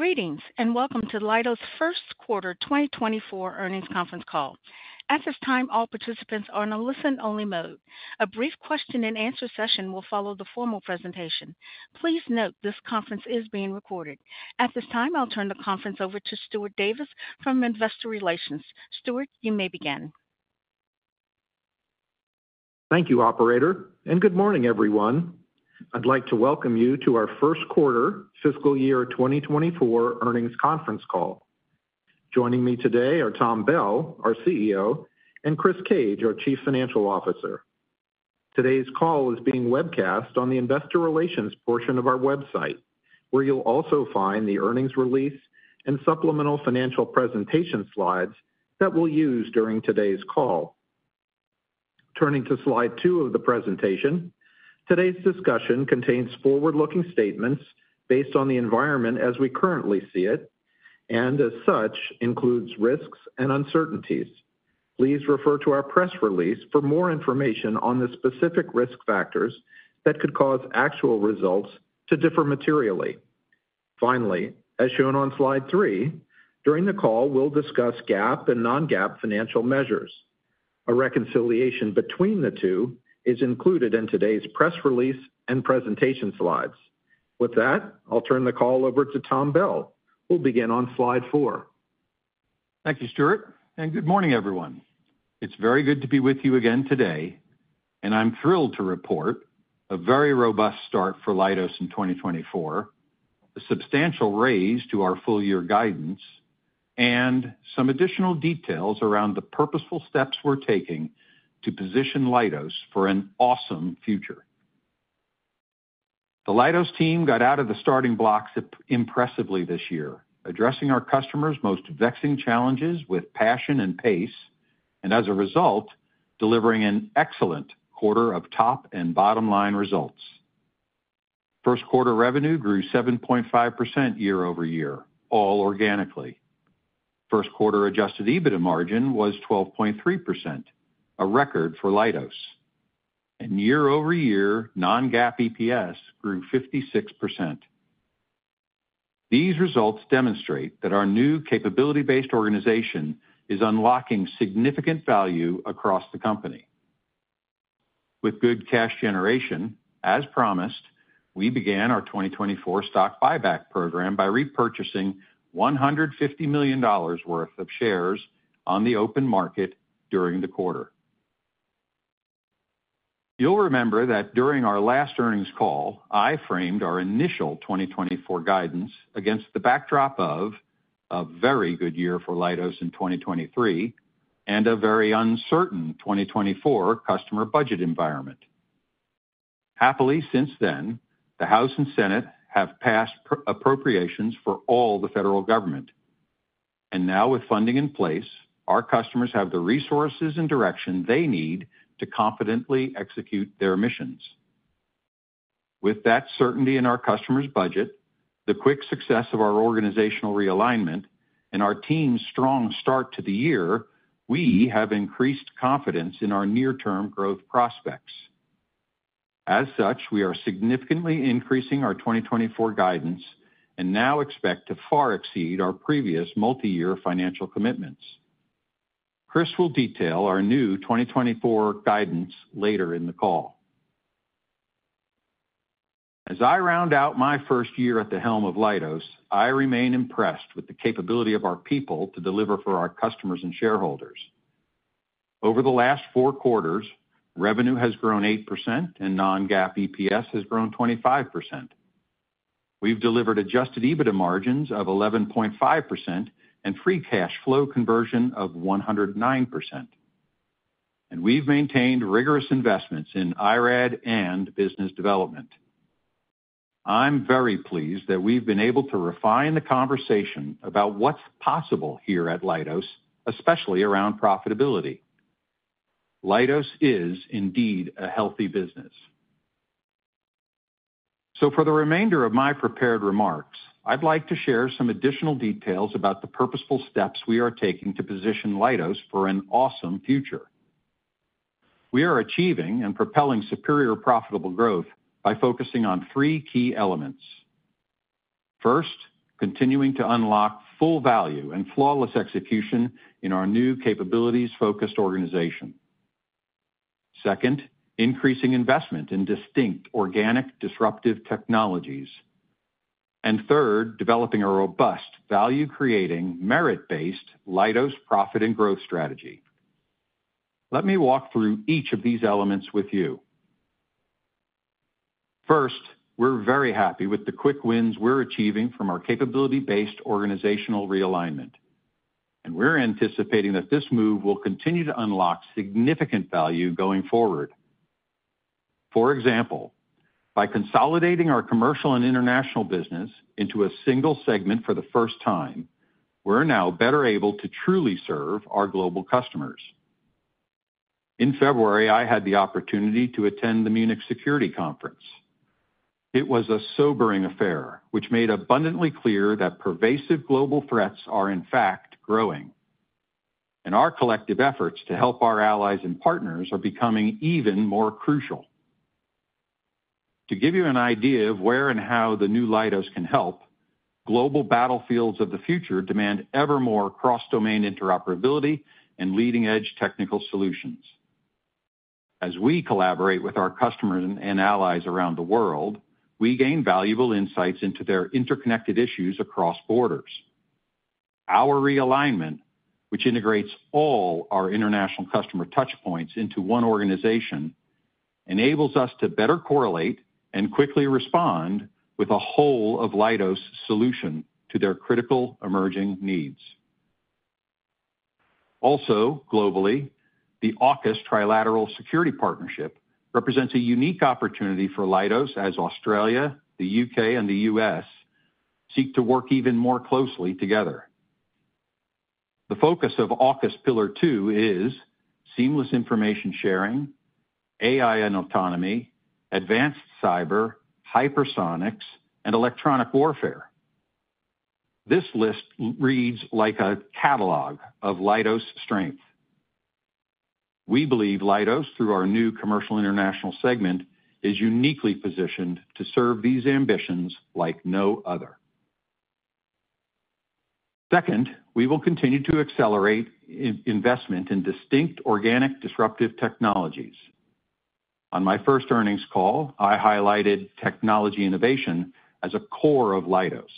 Greetings and welcome to Leidos' first quarter 2024 earnings conference call. At this time, all participants are in a listen-only mode. A brief question-and-answer session will follow the formal presentation. Please note this conference is being recorded. At this time, I'll turn the conference over to Stuart Davis from Investor Relations. Stuart, you may begin. Thank you, operator, and good morning, everyone. I'd like to welcome you to our first quarter fiscal year 2024 earnings conference call. Joining me today are Tom Bell, our CEO, and Chris Cage, our Chief Financial Officer. Today's call is being webcast on the Investor Relations portion of our website, where you'll also find the earnings release and supplemental financial presentation slides that we'll use during today's call. Turning to slide 2 of the presentation, today's discussion contains forward-looking statements based on the environment as we currently see it, and as such, includes risks and uncertainties. Please refer to our press release for more information on the specific risk factors that could cause actual results to differ materially. Finally, as shown on slide 3, during the call, we'll discuss GAAP and non-GAAP financial measures. A reconciliation between the two is included in today's press release and presentation slides. With that, I'll turn the call over to Tom Bell. We'll begin on slide 4. Thank you, Stuart, and good morning, everyone. It's very good to be with you again today, and I'm thrilled to report a very robust start for Leidos in 2024, a substantial raise to our full-year guidance, and some additional details around the purposeful steps we're taking to position Leidos for an awesome future. The Leidos team got out of the starting blocks impressively this year, addressing our customers' most vexing challenges with passion and pace, and as a result, delivering an excellent quarter of top and bottom-line results. First quarter revenue grew 7.5% year-over-year, all organically. First quarter adjusted EBITDA margin was 12.3%, a record for Leidos. Year-over-year, non-GAAP EPS grew 56%. These results demonstrate that our new capability-based organization is unlocking significant value across the company. With good cash generation, as promised, we began our 2024 stock buyback program by repurchasing $150 million worth of shares on the open market during the quarter. You'll remember that during our last earnings call, I framed our initial 2024 guidance against the backdrop of a very good year for Leidos in 2023 and a very uncertain 2024 customer budget environment. Happily, since then, the House and Senate have passed appropriations for all the federal government. And now, with funding in place, our customers have the resources and direction they need to confidently execute their missions. With that certainty in our customers' budget, the quick success of our organizational realignment, and our team's strong start to the year, we have increased confidence in our near-term growth prospects. As such, we are significantly increasing our 2024 guidance and now expect to far exceed our previous multi-year financial commitments. Chris will detail our new 2024 guidance later in the call. As I round out my first year at the helm of Leidos, I remain impressed with the capability of our people to deliver for our customers and shareholders. Over the last four quarters, revenue has grown 8% and non-GAAP EPS has grown 25%. We've delivered adjusted EBITDA margins of 11.5% and free cash flow conversion of 109%. We've maintained rigorous investments in IRAD and business development. I'm very pleased that we've been able to refine the conversation about what's possible here at Leidos, especially around profitability. Leidos is indeed a healthy business. For the remainder of my prepared remarks, I'd like to share some additional details about the purposeful steps we are taking to position Leidos for an awesome future. We are achieving and propelling superior profitable growth by focusing on three key elements. First, continuing to unlock full value and flawless execution in our new capabilities-focused organization. Second, increasing investment in distinct organic disruptive technologies. And third, developing a robust value-creating, merit-based Leidos profit and growth strategy. Let me walk through each of these elements with you. First, we're very happy with the quick wins we're achieving from our capability-based organizational realignment. We're anticipating that this move will continue to unlock significant value going forward. For example, by consolidating our Commercial and International business into a single segment for the first time, we're now better able to truly serve our global customers. In February, I had the opportunity to attend the Munich Security Conference. It was a sobering affair, which made abundantly clear that pervasive global threats are, in fact, growing. Our collective efforts to help our allies and partners are becoming even more crucial. To give you an idea of where and how the new Leidos can help, global battlefields of the future demand ever more cross-domain interoperability and leading-edge technical solutions. As we collaborate with our customers and allies around the world, we gain valuable insights into their interconnected issues across borders. Our realignment, which integrates all our international customer touchpoints into one organization, enables us to better correlate and quickly respond with a whole of Leidos' solution to their critical emerging needs. Also, globally, the AUKUS trilateral security partnership represents a unique opportunity for Leidos as Australia, the U.K., and the U.S. seek to work even more closely together. The focus of AUKUS Pillar 2 is seamless information sharing, AI and autonomy, advanced cyber, hypersonics, and electronic warfare. This list reads like a catalog of Leidos' strength. We believe Leidos, through our new commercial international segment, is uniquely positioned to serve these ambitions like no other. Second, we will continue to accelerate investment in distinct organic disruptive technologies. On my first earnings call, I highlighted technology innovation as a core of Leidos.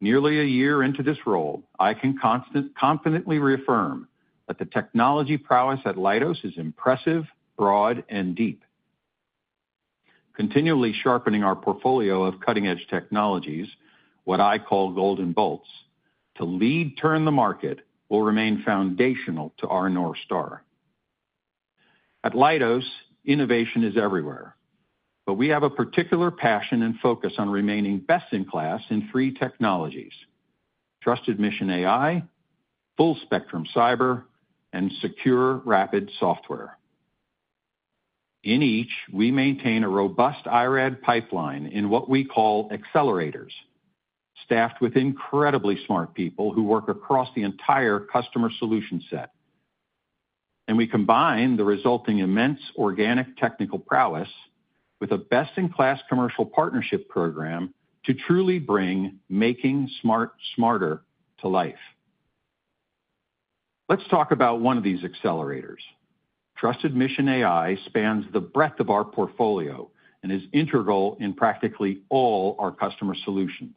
Nearly a year into this role, I can confidently reaffirm that the technology prowess at Leidos is impressive, broad, and deep. Continually sharpening our portfolio of cutting-edge technologies, what I call Golden Bolts, to lead-turn the market will remain foundational to our North Star. At Leidos, innovation is everywhere. But we have a particular passion and focus on remaining best-in-class in three technologies: Trusted Mission AI, full-spectrum cyber, and secure rapid software. In each, we maintain a robust IRAD pipeline in what we call accelerators, staffed with incredibly smart people who work across the entire customer solution set. We combine the resulting immense organic technical prowess with a best-in-class commercial partnership program to truly bring making smart smarter to life. Let's talk about one of these accelerators. Trusted Mission AI spans the breadth of our portfolio and is integral in practically all our customer solutions.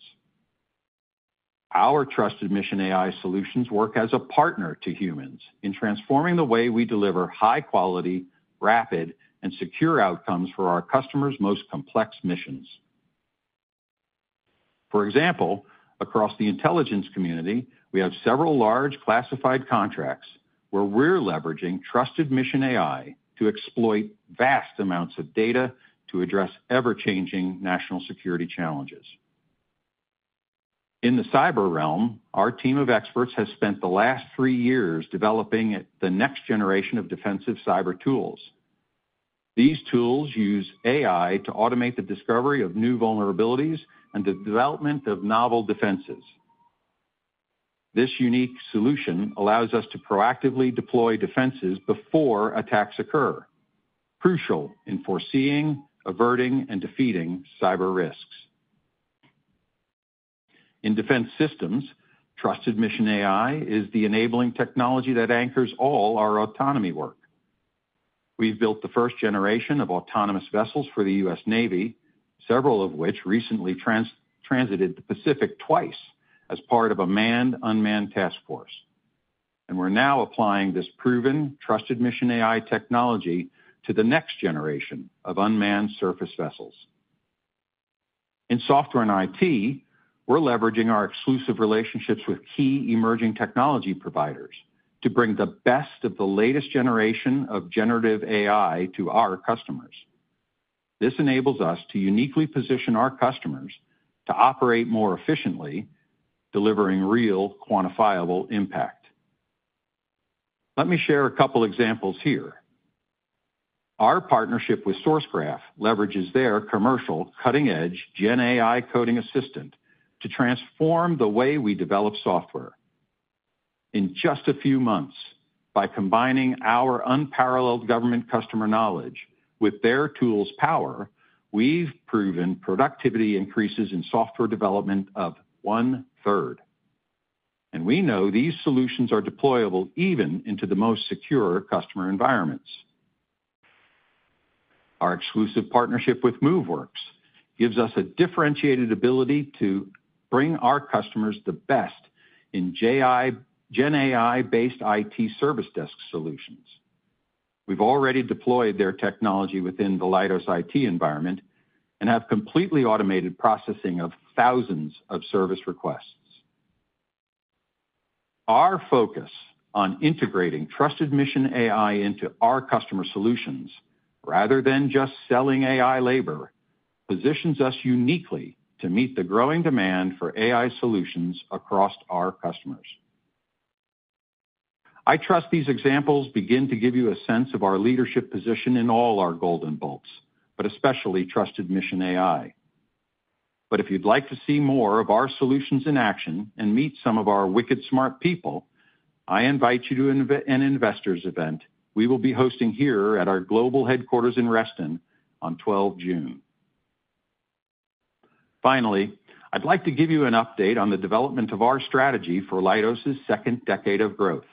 Our Trusted Mission AI solutions work as a partner to humans in transforming the way we deliver high-quality, rapid, and secure outcomes for our customers' most complex missions. For example, across the intelligence community, we have several large classified contracts where we're leveraging Trusted Mission AI to exploit vast amounts of data to address ever-changing national security challenges. In the cyber realm, our team of experts has spent the last three years developing the next generation of defensive cyber tools. These tools use AI to automate the discovery of new vulnerabilities and the development of novel defenses. This unique solution allows us to proactively deploy defenses before attacks occur, crucial in foreseeing, averting, and defeating cyber risks. In Defense Systems, Trusted Mission AI is the enabling technology that anchors all our autonomy work. We've built the first generation of autonomous vessels for the U.S. Navy, several of which recently transited the Pacific twice as part of a manned unmanned task force. And we're now applying this proven, Trusted Mission AI technology to the next generation of unmanned surface vessels. In software and IT, we're leveraging our exclusive relationships with key emerging technology providers to bring the best of the latest generation of generative AI to our customers. This enables us to uniquely position our customers to operate more efficiently, delivering real quantifiable impact. Let me share a couple of examples here. Our partnership with Sourcegraph leverages their commercial cutting-edge GenAI coding assistant to transform the way we develop software. In just a few months, by combining our unparalleled government customer knowledge with their tools' power, we've proven productivity increases in software development of one-third. We know these solutions are deployable even into the most secure customer environments. Our exclusive partnership with Moveworks gives us a differentiated ability to bring our customers the best in GenAI-based IT service desk solutions. We've already deployed their technology within the Leidos IT environment and have completely automated processing of thousands of service requests. Our focus on integrating Trusted Mission AI into our customer solutions rather than just selling AI labor positions us uniquely to meet the growing demand for AI solutions across our customers. I trust these examples begin to give you a sense of our leadership position in all our golden bolts, but especially Trusted Mission AI. But if you'd like to see more of our solutions in action and meet some of our wicked smart people, I invite you to an investors' event we will be hosting here at our global headquarters in Reston on 12 June. Finally, I'd like to give you an update on the development of our strategy for Leidos' second decade of growth.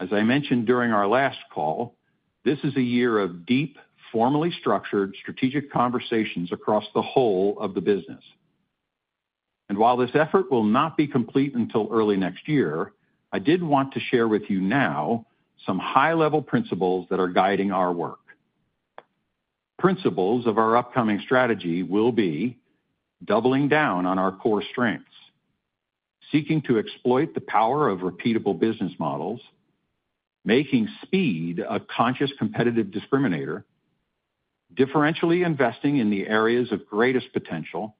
As I mentioned during our last call, this is a year of deep, formally structured strategic conversations across the whole of the business. And while this effort will not be complete until early next year, I did want to share with you now some high-level principles that are guiding our work. Principles of our upcoming strategy will be doubling down on our core strengths, seeking to exploit the power of repeatable business models, making speed a conscious competitive discriminator, differentially investing in the areas of greatest potential,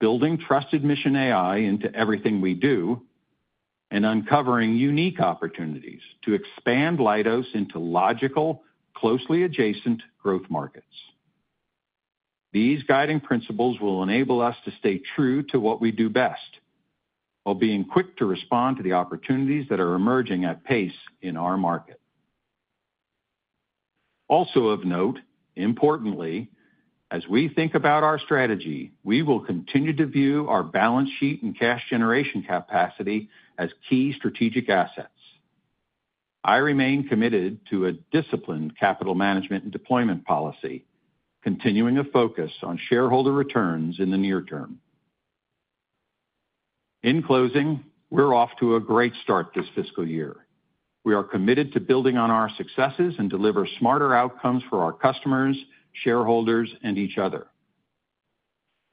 building Trusted Mission AI into everything we do, and uncovering unique opportunities to expand Leidos into logical, closely adjacent growth markets. These guiding principles will enable us to stay true to what we do best while being quick to respond to the opportunities that are emerging at pace in our market. Also of note, importantly, as we think about our strategy, we will continue to view our balance sheet and cash generation capacity as key strategic assets. I remain committed to a disciplined capital management and deployment policy, continuing to focus on shareholder returns in the near term. In closing, we're off to a great start this fiscal year. We are committed to building on our successes and deliver smarter outcomes for our customers, shareholders, and each other.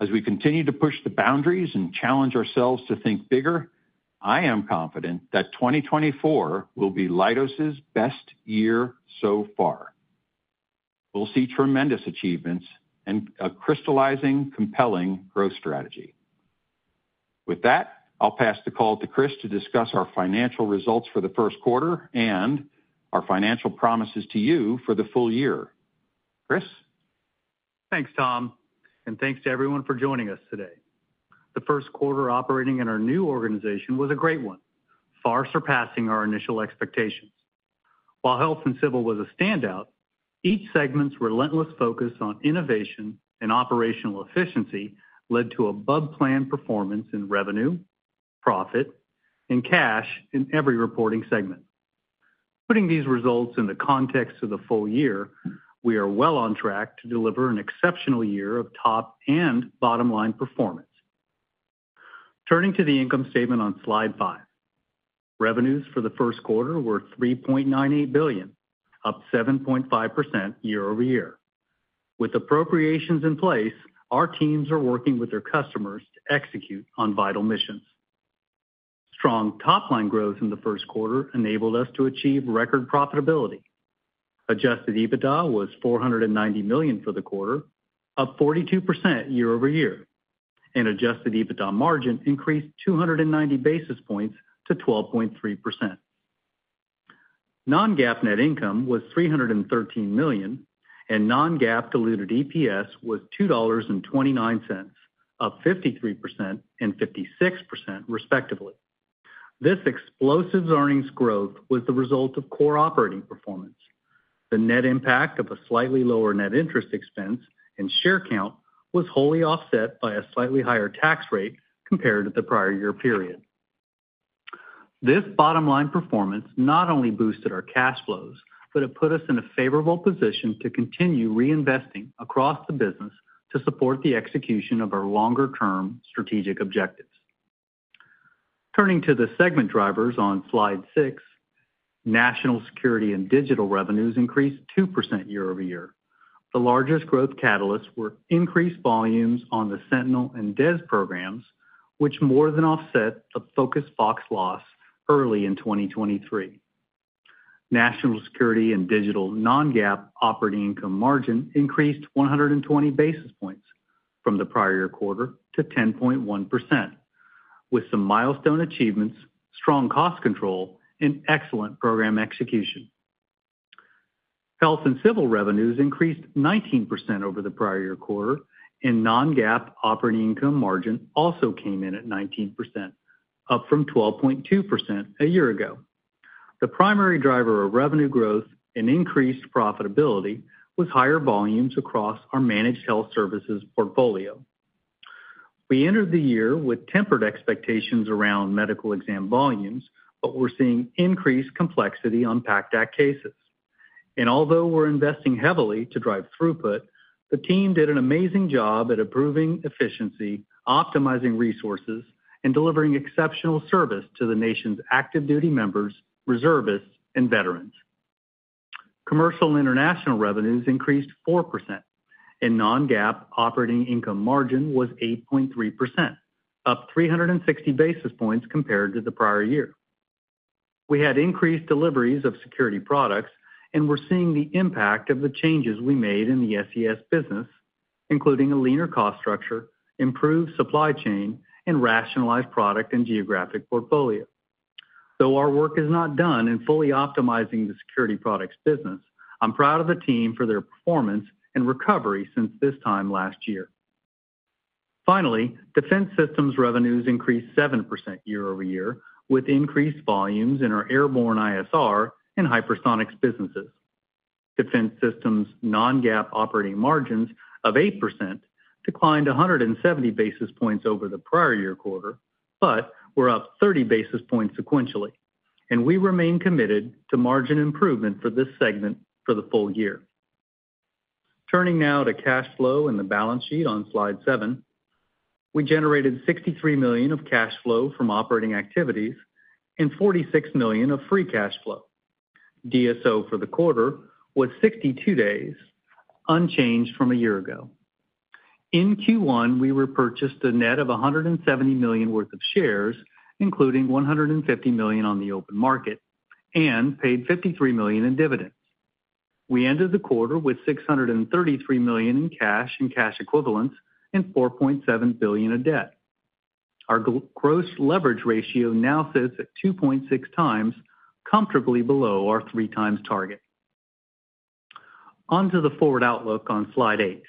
As we continue to push the boundaries and challenge ourselves to think bigger, I am confident that 2024 will be Leidos' best year so far. We'll see tremendous achievements and a crystallizing, compelling growth strategy. With that, I'll pass the call to Chris to discuss our financial results for the first quarter and our financial promises to you for the full year. Chris? Thanks, Tom. And thanks to everyone for joining us today. The first quarter operating in our new organization was a great one, far surpassing our initial expectations. While Health and Civil was a standout, each segment's relentless focus on innovation and operational efficiency led to above-plan performance in revenue, profit, and cash in every reporting segment. Putting these results in the context of the full year, we are well on track to deliver an exceptional year of top and bottom-line performance. Turning to the income statement on slide 5, revenues for the first quarter were $3.98 billion, up 7.5% year-over-year. With appropriations in place, our teams are working with their customers to execute on vital missions. Strong top-line growth in the first quarter enabled us to achieve record profitability. Adjusted EBITDA was $490 million for the quarter, up 42% year-over-year. Adjusted EBITDA margin increased 290 basis points to 12.3%. Non-GAAP net income was $313 million. Non-GAAP diluted EPS was $2.29, up 53% and 56% respectively. This explosive earnings growth was the result of core operating performance. The net impact of a slightly lower net interest expense and share count was wholly offset by a slightly higher tax rate compared to the prior year period. This bottom-line performance not only boosted our cash flows, but it put us in a favorable position to continue reinvesting across the business to support the execution of our longer-term strategic objectives. Turning to the segment drivers on slide 6, National Security and Digital revenues increased 2% year-over-year. The largest growth catalysts were increased volumes on the Sentinel and DES programs, which more than offset the focused FOX loss early in 2023. National Security and Digital non-GAAP operating income margin increased 120 basis points from the prior year quarter to 10.1%, with some milestone achievements, strong cost control, and excellent program execution. Health and Civil revenues increased 19% over the prior year quarter. Non-GAAP operating income margin also came in at 19%, up from 12.2% a year ago. The primary driver of revenue growth and increased profitability was higher volumes across our managed health services portfolio. We entered the year with tempered expectations around medical exam volumes, but we're seeing increased complexity on PACT Act cases. Although we're investing heavily to drive throughput, the team did an amazing job at improving efficiency, optimizing resources, and delivering exceptional service to the nation's active duty members, reservists, and veterans. Commercial and international revenues increased 4%. Non-GAAP operating income margin was 8.3%, up 360 basis points compared to the prior year. We had increased deliveries of security products, and we're seeing the impact of the changes we made in the SES business, including a leaner cost structure, improved supply chain, and rationalized product and geographic portfolio. Though our work is not done in fully optimizing the security products business, I'm proud of the team for their performance and recovery since this time last year. Finally, defense systems revenues increased 7% year-over-year with increased volumes in our airborne ISR and hypersonics businesses. Defense systems non-GAAP operating margins of 8% declined 170 basis points over the prior year quarter, but were up 30 basis points sequentially. We remain committed to margin improvement for this segment for the full year. Turning now to cash flow and the balance sheet on slide 7, we generated $63 million of cash flow from operating activities and $46 million of free cash flow. DSO for the quarter was 62 days, unchanged from a year ago. In Q1, we repurchased a net of $170 million worth of shares, including $150 million on the open market, and paid $53 million in dividends. We ended the quarter with $633 million in cash and cash equivalents and $4.7 billion of debt. Our gross leverage ratio now sits at 2.6x comfortably below our 3x target. Onto the forward outlook on slide eight.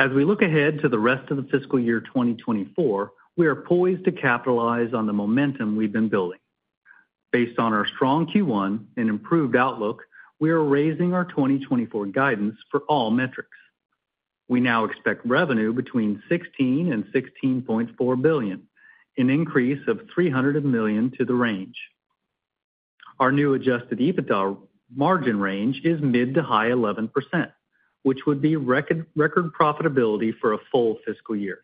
As we look ahead to the rest of the fiscal year 2024, we are poised to capitalize on the momentum we've been building. Based on our strong Q1 and improved outlook, we are raising our 2024 guidance for all metrics. We now expect revenue between $16-$16.4 billion, an increase of $300 million to the range. Our new adjusted EBITDA margin range is mid to high 11%, which would be record profitability for a full fiscal year.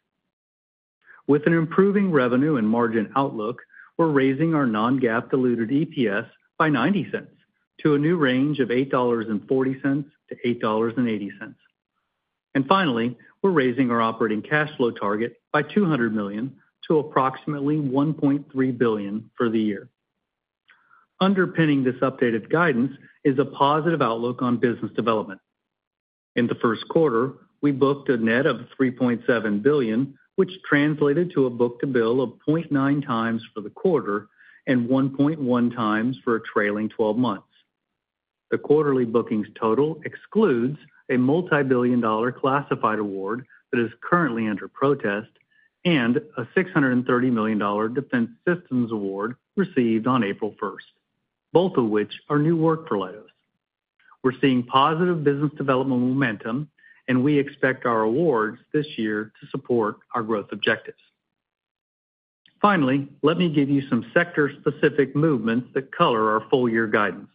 With an improving revenue and margin outlook, we're raising our non-GAAP diluted EPS by $0.90 to a new range of $8.40-$8.80. And finally, we're raising our operating cash flow target by $200 million to approximately $1.3 billion for the year. Underpinning this updated guidance is a positive outlook on business development. In the first quarter, we booked a net of $3.7 billion, which translated to a book-to-bill of 0.9 times for the quarter and 1.1 times for a trailing 12 months. The quarterly bookings total excludes a multi-billion dollar classified award that is currently under protest and a $630 million defense systems award received on April 1st, both of which are new work for Leidos. We're seeing positive business development momentum, and we expect our awards this year to support our growth objectives. Finally, let me give you some sector-specific movements that color our full year guidance.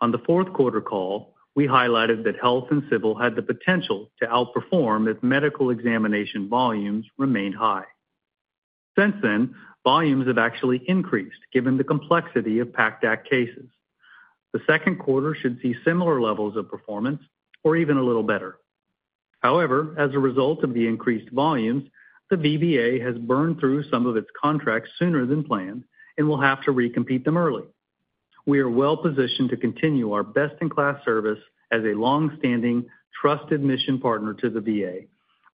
On the fourth quarter call, we highlighted that health and civil had the potential to outperform if medical examination volumes remained high. Since then, volumes have actually increased given the complexity of PACT Act cases. The second quarter should see similar levels of performance or even a little better. However, as a result of the increased volumes, the VBA has burned through some of its contracts sooner than planned and will have to recompete them early. We are well positioned to continue our best-in-class service as a longstanding, trusted mission partner to the VA,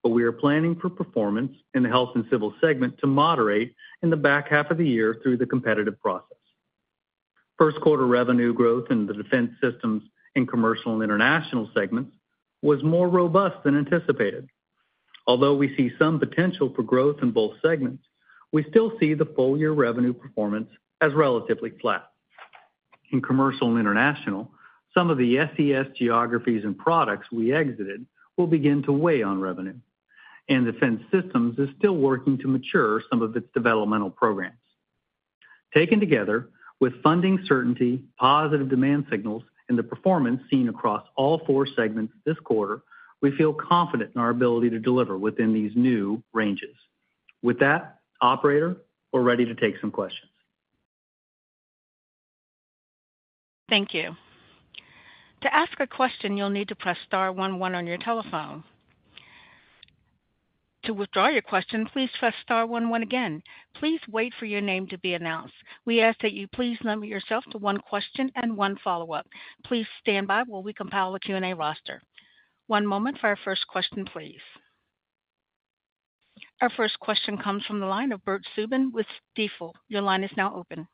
but we are planning for performance in the health and civil segment to moderate in the back half of the year through the competitive process. First quarter revenue growth in the defense systems and commercial and international segments was more robust than anticipated. Although we see some potential for growth in both segments, we still see the full year revenue performance as relatively flat. In commercial and international, some of the SES geographies and products we exited will begin to weigh on revenue. Defense systems is still working to mature some of its developmental programs. Taken together, with funding certainty, positive demand signals, and the performance seen across all four segments this quarter, we feel confident in our ability to deliver within these new ranges. With that, operator, we're ready to take some questions. Thank you. To ask a question, you'll need to press star 11 on your telephone. To withdraw your question, please press star 11 again. Please wait for your name to be announced. We ask that you please limit yourself to one question and one follow-up. Please stand by while we compile a Q&A roster. One moment for our first question, please. Our first question comes from the line of Bert Subin with Stifel. Your line is now open.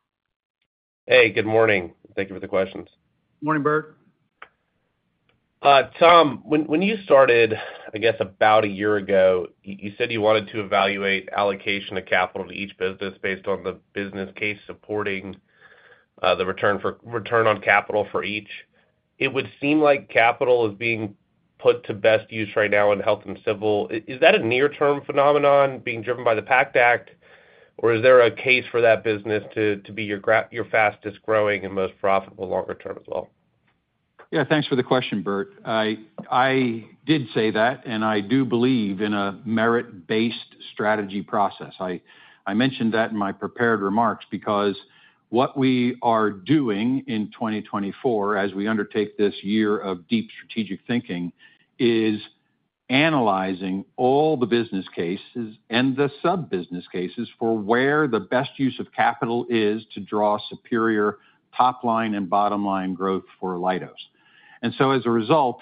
Hey, good morning. Thank you for the questions. Morning, Bert. Tom, when you started, I guess, about a year ago, you said you wanted to evaluate allocation of capital to each business based on the business case supporting the return on capital for each. It would seem like capital is being put to best use right now in health and civil. Is that a near-term phenomenon being driven by the PACT Act, or is there a case for that business to be your fastest growing and most profitable longer term as well? Yeah, thanks for the question, Bert. I did say that, and I do believe in a merit-based strategy process. I mentioned that in my prepared remarks because what we are doing in 2024 as we undertake this year of deep strategic thinking is analyzing all the business cases and the sub-business cases for where the best use of capital is to draw superior top-line and bottom-line growth for Leidos. And so as a result,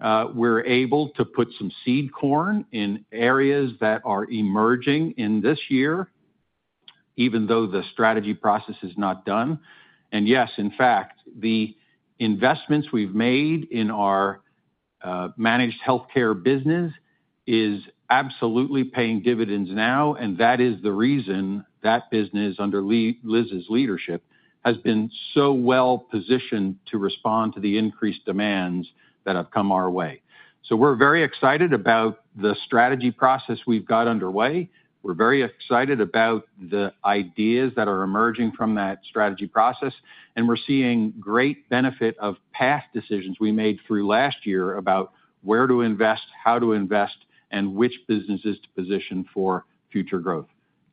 we're able to put some seed corn in areas that are emerging in this year, even though the strategy process is not done. And yes, in fact, the investments we've made in our managed healthcare business is absolutely paying dividends now, and that is the reason that business under Liz's leadership has been so well positioned to respond to the increased demands that have come our way. So we're very excited about the strategy process we've got underway. We're very excited about the ideas that are emerging from that strategy process. We're seeing great benefit of past decisions we made through last year about where to invest, how to invest, and which businesses to position for future growth.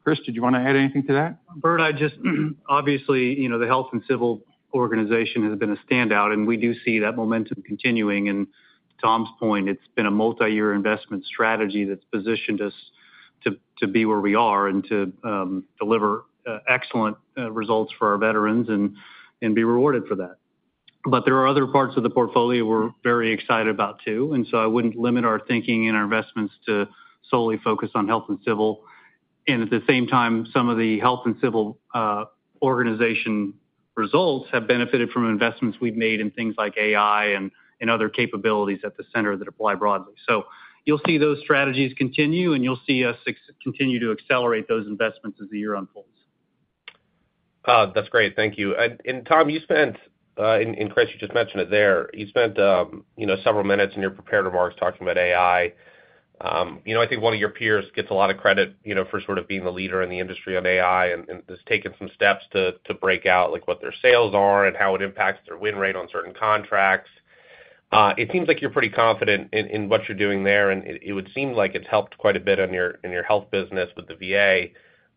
Chris, did you want to add anything to that? Bert, obviously, the health and civil organization has been a standout, and we do see that momentum continuing. To Tom's point, it's been a multi-year investment strategy that's positioned us to be where we are and to deliver excellent results for our veterans and be rewarded for that. There are other parts of the portfolio we're very excited about too. I wouldn't limit our thinking and our investments to solely focus on health and civil. At the same time, some of the health and civil organization results have benefited from investments we've made in things like AI and other capabilities at the center that apply broadly. So you'll see those strategies continue, and you'll see us continue to accelerate those investments as the year unfolds. That's great. Thank you. And Tom and Chris, you just mentioned it there. You spent several minutes in your prepared remarks talking about AI. I think one of your peers gets a lot of credit for sort of being the leader in the industry on AI and has taken some steps to break out what their sales are and how it impacts their win rate on certain contracts. It seems like you're pretty confident in what you're doing there, and it would seem like it's helped quite a bit in your health business with the VA.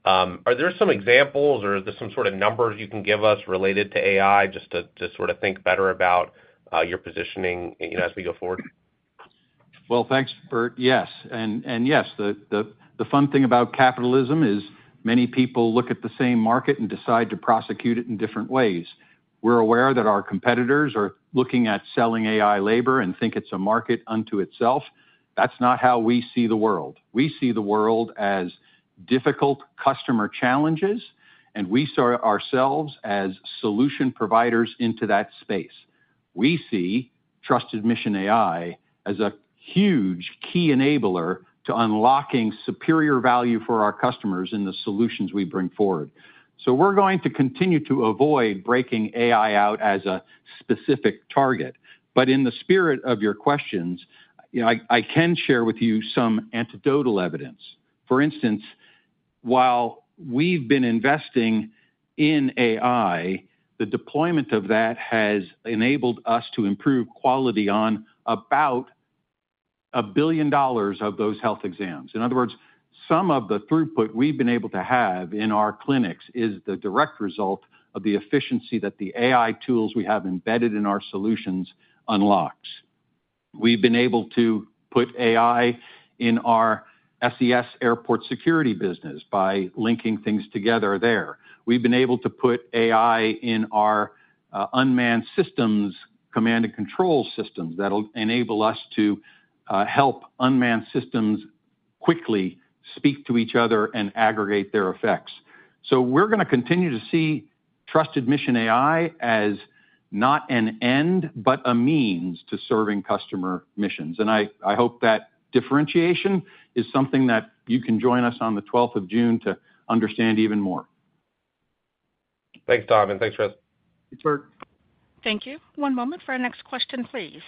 Are there some examples, or is there some sort of numbers you can give us related to AI just to sort of think better about your positioning as we go forward? Well, thanks, Bert. Yes. And yes, the fun thing about capitalism is many people look at the same market and decide to prosecute it in different ways. We're aware that our competitors are looking at selling AI labor and think it's a market unto itself. That's not how we see the world. We see the world as difficult customer challenges, and we see ourselves as solution providers into that space. We see Trusted Mission AI as a huge key enabler to unlocking superior value for our customers in the solutions we bring forward. So we're going to continue to avoid breaking AI out as a specific target. But in the spirit of your questions, I can share with you some anecdotal evidence. For instance, while we've been investing in AI, the deployment of that has enabled us to improve quality on about $1 billion of those health exams. In other words, some of the throughput we've been able to have in our clinics is the direct result of the efficiency that the AI tools we have embedded in our solutions unlocks. We've been able to put AI in our SES airport security business by linking things together there. We've been able to put AI in our unmanned systems, command and control systems that'll enable us to help unmanned systems quickly speak to each other and aggregate their effects. So we're going to continue to see Trusted Mission AI as not an end, but a means to serving customer missions. And I hope that differentiation is something that you can join us on the 12th of June to understand even more. Thanks, Tom, and thanks, Chris. Thanks, Bert. Thank you. One moment for our next question, please.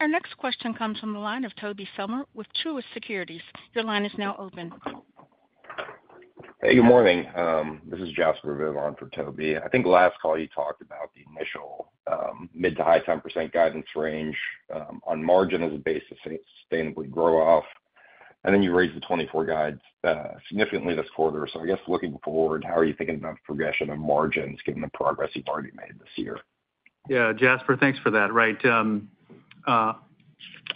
Our next question comes from the line of Tobey Sommer with Truist Securities. Your line is now open. Hey, good morning. This is Jasper Bibb for Tobey. I think last call, you talked about the initial mid- to high 10% guidance range on margin as a base to sustainably grow off. And then you raised the 2024 guides significantly this quarter. So I guess looking forward, how are you thinking about the progression of margins given the progress you've already made this year? Yeah, Jasper, thanks for that. Right.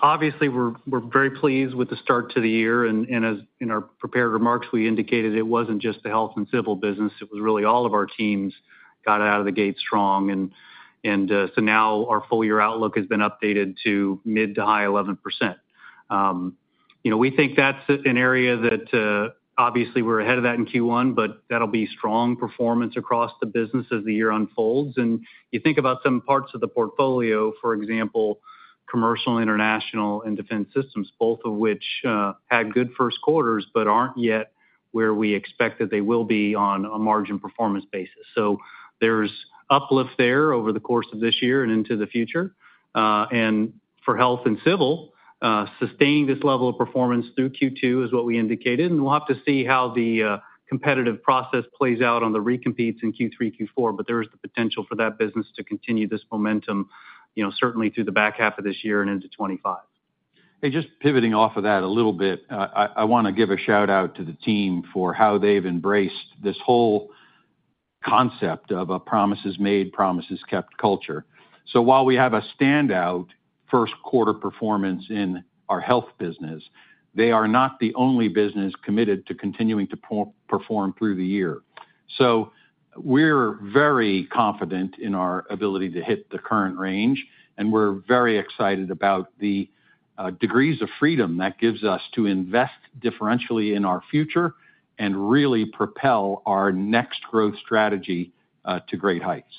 Obviously, we're very pleased with the start to the year. And in our prepared remarks, we indicated it wasn't just the health and civil business. It was really all of our teams got out of the gate strong. And so now our full year outlook has been updated to mid- to high 11%. We think that's an area that obviously, we're ahead of that in Q1, but that'll be strong performance across the business as the year unfolds. You think about some parts of the portfolio, for example, commercial, international, and defense systems, both of which had good first quarters but aren't yet where we expect that they will be on a margin performance basis. So there's uplift there over the course of this year and into the future. For health and civil, sustaining this level of performance through Q2 is what we indicated. We'll have to see how the competitive process plays out on the recompetes in Q3, Q4, but there is the potential for that business to continue this momentum, certainly through the back half of this year and into 2025. Hey, just pivoting off of that a little bit, I want to give a shout-out to the team for how they've embraced this whole concept of a promises made, promises kept culture. So while we have a standout first quarter performance in our health business, they are not the only business committed to continuing to perform through the year. So we're very confident in our ability to hit the current range, and we're very excited about the degrees of freedom that gives us to invest differentially in our future and really propel our next growth strategy to great heights.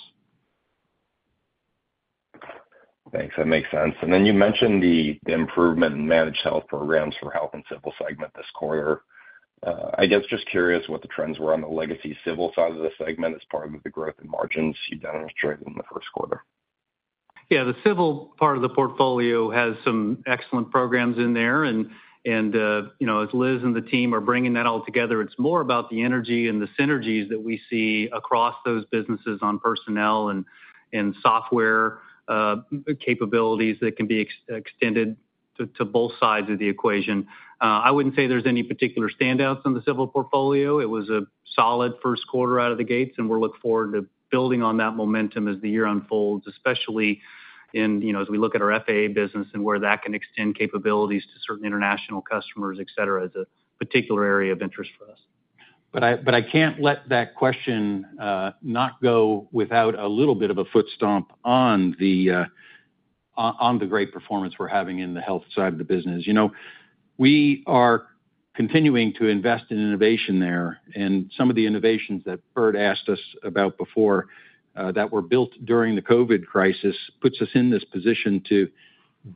Thanks. That makes sense. And then you mentioned the improvement in managed health programs for health and civil segment this quarter. I guess just curious what the trends were on the legacy civil side of the segment as part of the growth in margins you demonstrated in the first quarter. Yeah, the civil part of the portfolio has some excellent programs in there. And as Liz and the team are bringing that all together, it's more about the energy and the synergies that we see across those businesses on personnel and software capabilities that can be extended to both sides of the equation. I wouldn't say there's any particular standouts on the civil portfolio. It was a solid first quarter out of the gates, and we'll look forward to building on that momentum as the year unfolds, especially as we look at our FAA business and where that can extend capabilities to certain international customers, etc., as a particular area of interest for us. But I can't let that question not go without a little bit of a footstomp on the great performance we're having in the health side of the business. We are continuing to invest in innovation there. Some of the innovations that Bert asked us about before that were built during the COVID crisis puts us in this position to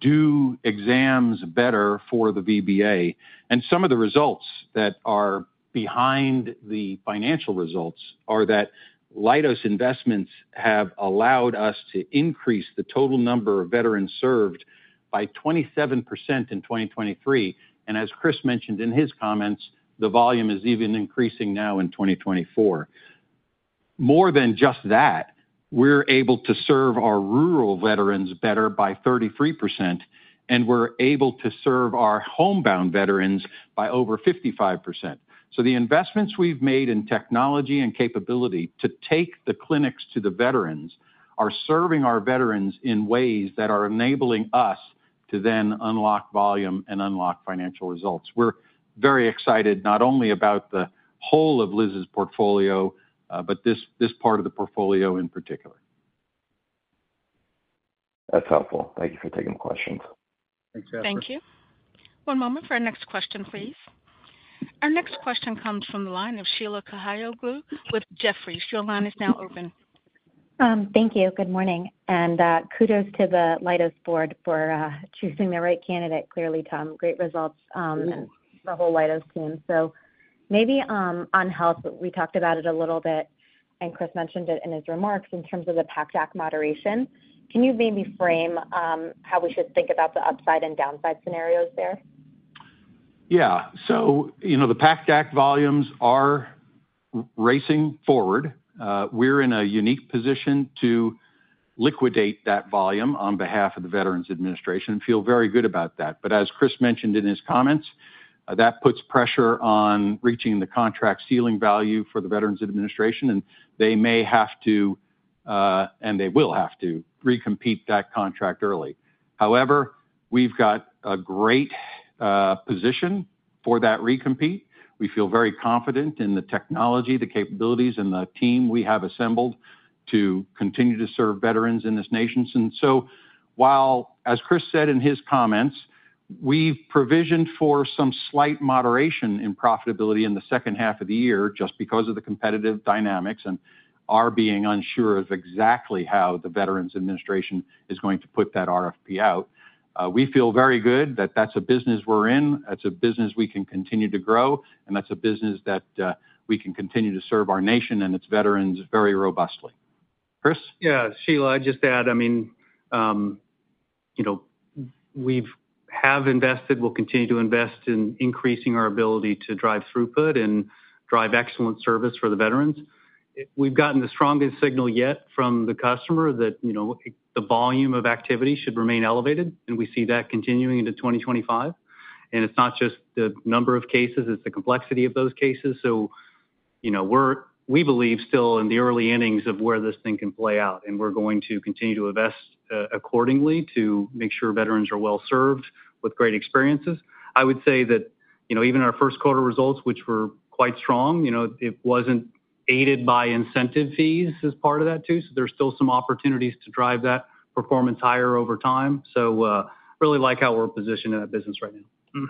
do exams better for the VBA. Some of the results that are behind the financial results are that Leidos investments have allowed us to increase the total number of veterans served by 27% in 2023. As Chris mentioned in his comments, the volume is even increasing now in 2024. More than just that, we're able to serve our rural veterans better by 33%, and we're able to serve our homebound veterans by over 55%. The investments we've made in technology and capability to take the clinics to the veterans are serving our veterans in ways that are enabling us to then unlock volume and unlock financial results. We're very excited not only about the whole of Liz's portfolio, but this part of the portfolio in particular. That's helpful. Thank you for taking the questions. Thanks, Jasper. Thank you. One moment for our next question, please. Our next question comes from the line of Sheila Kahyaoglu with Jefferies. Your line is now open. Thank you. Good morning. And kudos to the Leidos board for choosing the right candidate. Clearly, Tom, great results and the whole Leidos team. So maybe on health, we talked about it a little bit, and Chris mentioned it in his remarks in terms of the PACT Act moderation. Can you maybe frame how we should think about the upside and downside scenarios there? Yeah. So the PACT Act volumes are racing forward. We're in a unique position to liquidate that volume on behalf of the Veterans Administration and feel very good about that. But as Chris mentioned in his comments, that puts pressure on reaching the contract ceiling value for the Veterans Administration, and they may have to and they will have to recompete that contract early. However, we've got a great position for that recompete. We feel very confident in the technology, the capabilities, and the team we have assembled to continue to serve veterans in this nation. And so while, as Chris said in his comments, we've provisioned for some slight moderation in profitability in the second half of the year just because of the competitive dynamics and our being unsure of exactly how the Veterans Administration is going to put that RFP out, we feel very good that that's a business we're in. That's a business we can continue to grow, and that's a business that we can continue to serve our nation and its veterans very robustly. Chris? Yeah. Sheila, I'd just add, I mean, we have invested, will continue to invest in increasing our ability to drive throughput and drive excellent service for the veterans. We've gotten the strongest signal yet from the customer that the volume of activity should remain elevated, and we see that continuing into 2025. It's not just the number of cases. It's the complexity of those cases. So we believe still in the early innings of where this thing can play out, and we're going to continue to invest accordingly to make sure veterans are well served with great experiences. I would say that even our first quarter results, which were quite strong, it wasn't aided by incentive fees as part of that too. So there's still some opportunities to drive that performance higher over time. So really like how we're positioned in that business right now.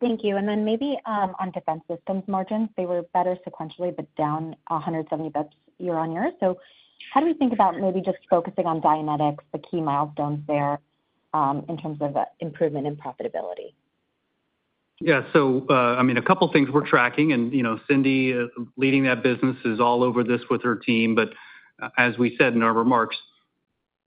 Thank you. And then maybe on defense systems margins, they were better sequentially, but down 170 basis points year-over-year. So how do we think about maybe just focusing on Dynetics, the key milestones there in terms of improvement in profitability? Yeah. So I mean, a couple of things we're tracking. And Cindy, leading that business, is all over this with her team. But as we said in our remarks,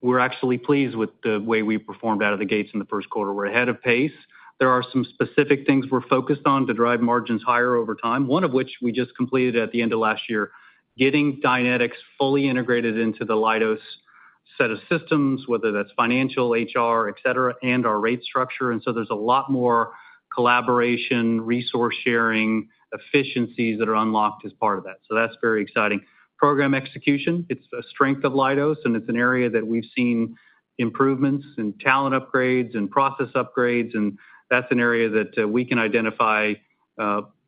we're actually pleased with the way we performed out of the gates in the first quarter. We're ahead of pace. There are some specific things we're focused on to drive margins higher over time, one of which we just completed at the end of last year, getting Dynetics fully integrated into the Leidos set of systems, whether that's financial, HR, etc., and our rate structure. And so there's a lot more collaboration, resource sharing, efficiencies that are unlocked as part of that. That's very exciting. Program execution, it's a strength of Leidos, and it's an area that we've seen improvements in talent upgrades and process upgrades. That's an area that we can identify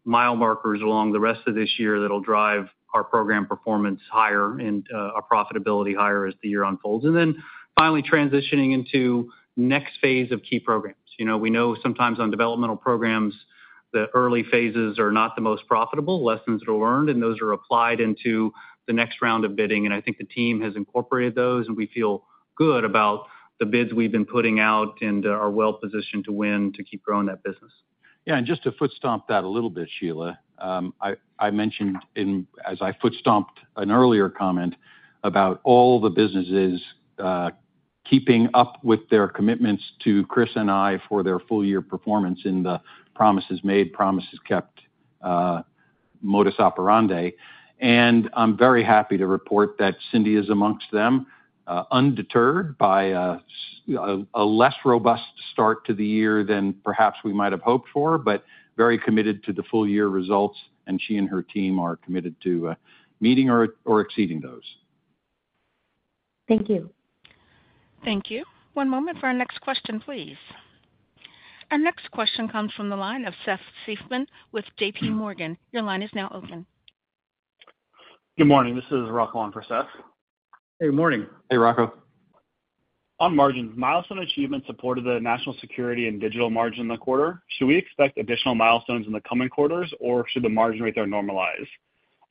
mile markers along the rest of this year that'll drive our program performance higher and our profitability higher as the year unfolds. Then finally, transitioning into the next phase of key programs. We know sometimes on developmental programs, the early phases are not the most profitable, lessons that are learned, and those are applied into the next round of bidding. I think the team has incorporated those, and we feel good about the bids we've been putting out and are well positioned to win to keep growing that business. Yeah. Just to footstomp that a little bit, Sheila, I mentioned as I footstomped an earlier comment about all the businesses keeping up with their commitments to Chris and I for their full year performance in the promises made, promises kept, modus operandi. I'm very happy to report that Cindy is amongst them, undeterred by a less robust start to the year than perhaps we might have hoped for, but very committed to the full year results. She and her team are committed to meeting or exceeding those. Thank you. Thank you. One moment for our next question, please. Our next question comes from the line of Seth Seifman with JPMorgan. Your line is now open. Good morning. This is Rocco Aloi for Seth. Hey, good morning. Hey, Rocco. On margins, milestone achievements supported the national security and digital margin in the quarter. Should we expect additional milestones in the coming quarters, or should the margin rates normalize?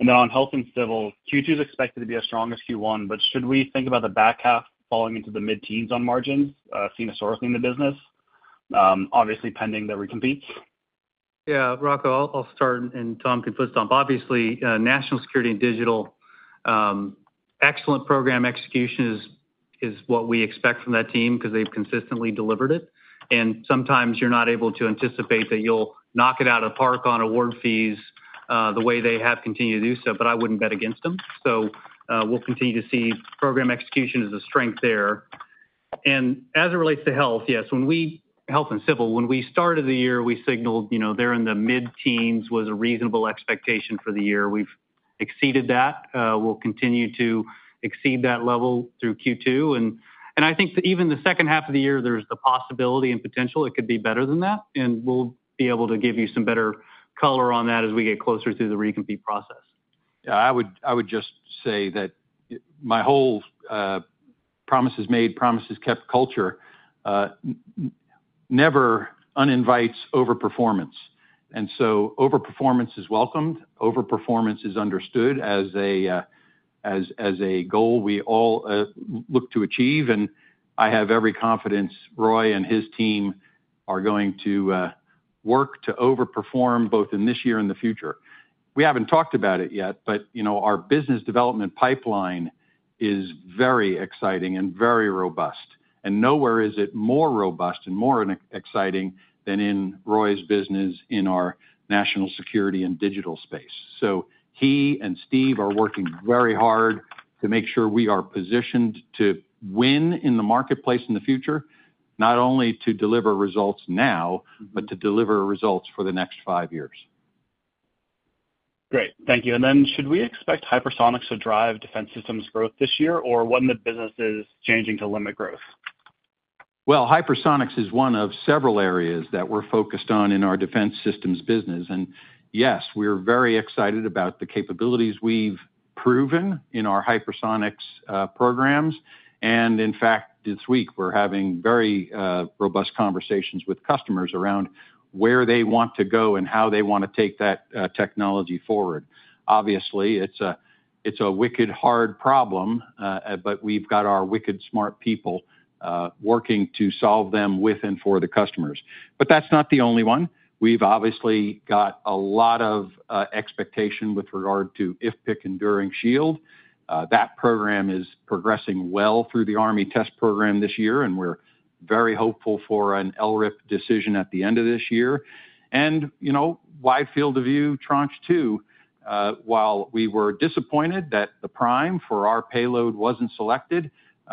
And then on health and civil, Q2 is expected to be as strong as Q1, but should we think about the back half falling into the mid-teens on margins, seen historically in the business, obviously pending the recompetes? Yeah. Rocco, I'll start, and Tom can footstomp. Obviously, national security and digital, excellent program execution is what we expect from that team because they've consistently delivered it. And sometimes you're not able to anticipate that you'll knock it out of the park on award fees the way they have continued to do so, but I wouldn't bet against them. So we'll continue to see program execution as a strength there. And as it relates to health, yes, health and civil, when we started the year, we signaled they're in the mid-teens was a reasonable expectation for the year. We've exceeded that. We'll continue to exceed that level through Q2. And I think even the second half of the year, there's the possibility and potential it could be better than that. And we'll be able to give you some better color on that as we get closer through the recompete process. Yeah. I would just say that my whole promises made, promises kept culture never uninvites overperformance. And so overperformance is welcomed. Overperformance is understood as a goal we all look to achieve. And I have every confidence Roy and his team are going to work to overperform both in this year and the future. We haven't talked about it yet, but our business development pipeline is very exciting and very robust. Nowhere is it more robust and more exciting than in Roy's business in our National Security and Digital space. He and Steve are working very hard to make sure we are positioned to win in the marketplace in the future, not only to deliver results now, but to deliver results for the next five years. Great. Thank you. Then should we expect Hypersonics to drive defense systems growth this year, or what in the business is changing to limit growth? Well, Hypersonics is one of several areas that we're focused on in our defense systems business. Yes, we're very excited about the capabilities we've proven in our Hypersonics programs. In fact, this week, we're having very robust conversations with customers around where they want to go and how they want to take that technology forward. Obviously, it's a wicked, hard problem, but we've got our wicked, smart people working to solve them with and for the customers. But that's not the only one. We've obviously got a lot of expectation with regard to IFPC Enduring Shield. That program is progressing well through the Army test program this year, and we're very hopeful for an LRIP decision at the end of this year. And wide field of view tranche two, while we were disappointed that the prime for our payload wasn't selected,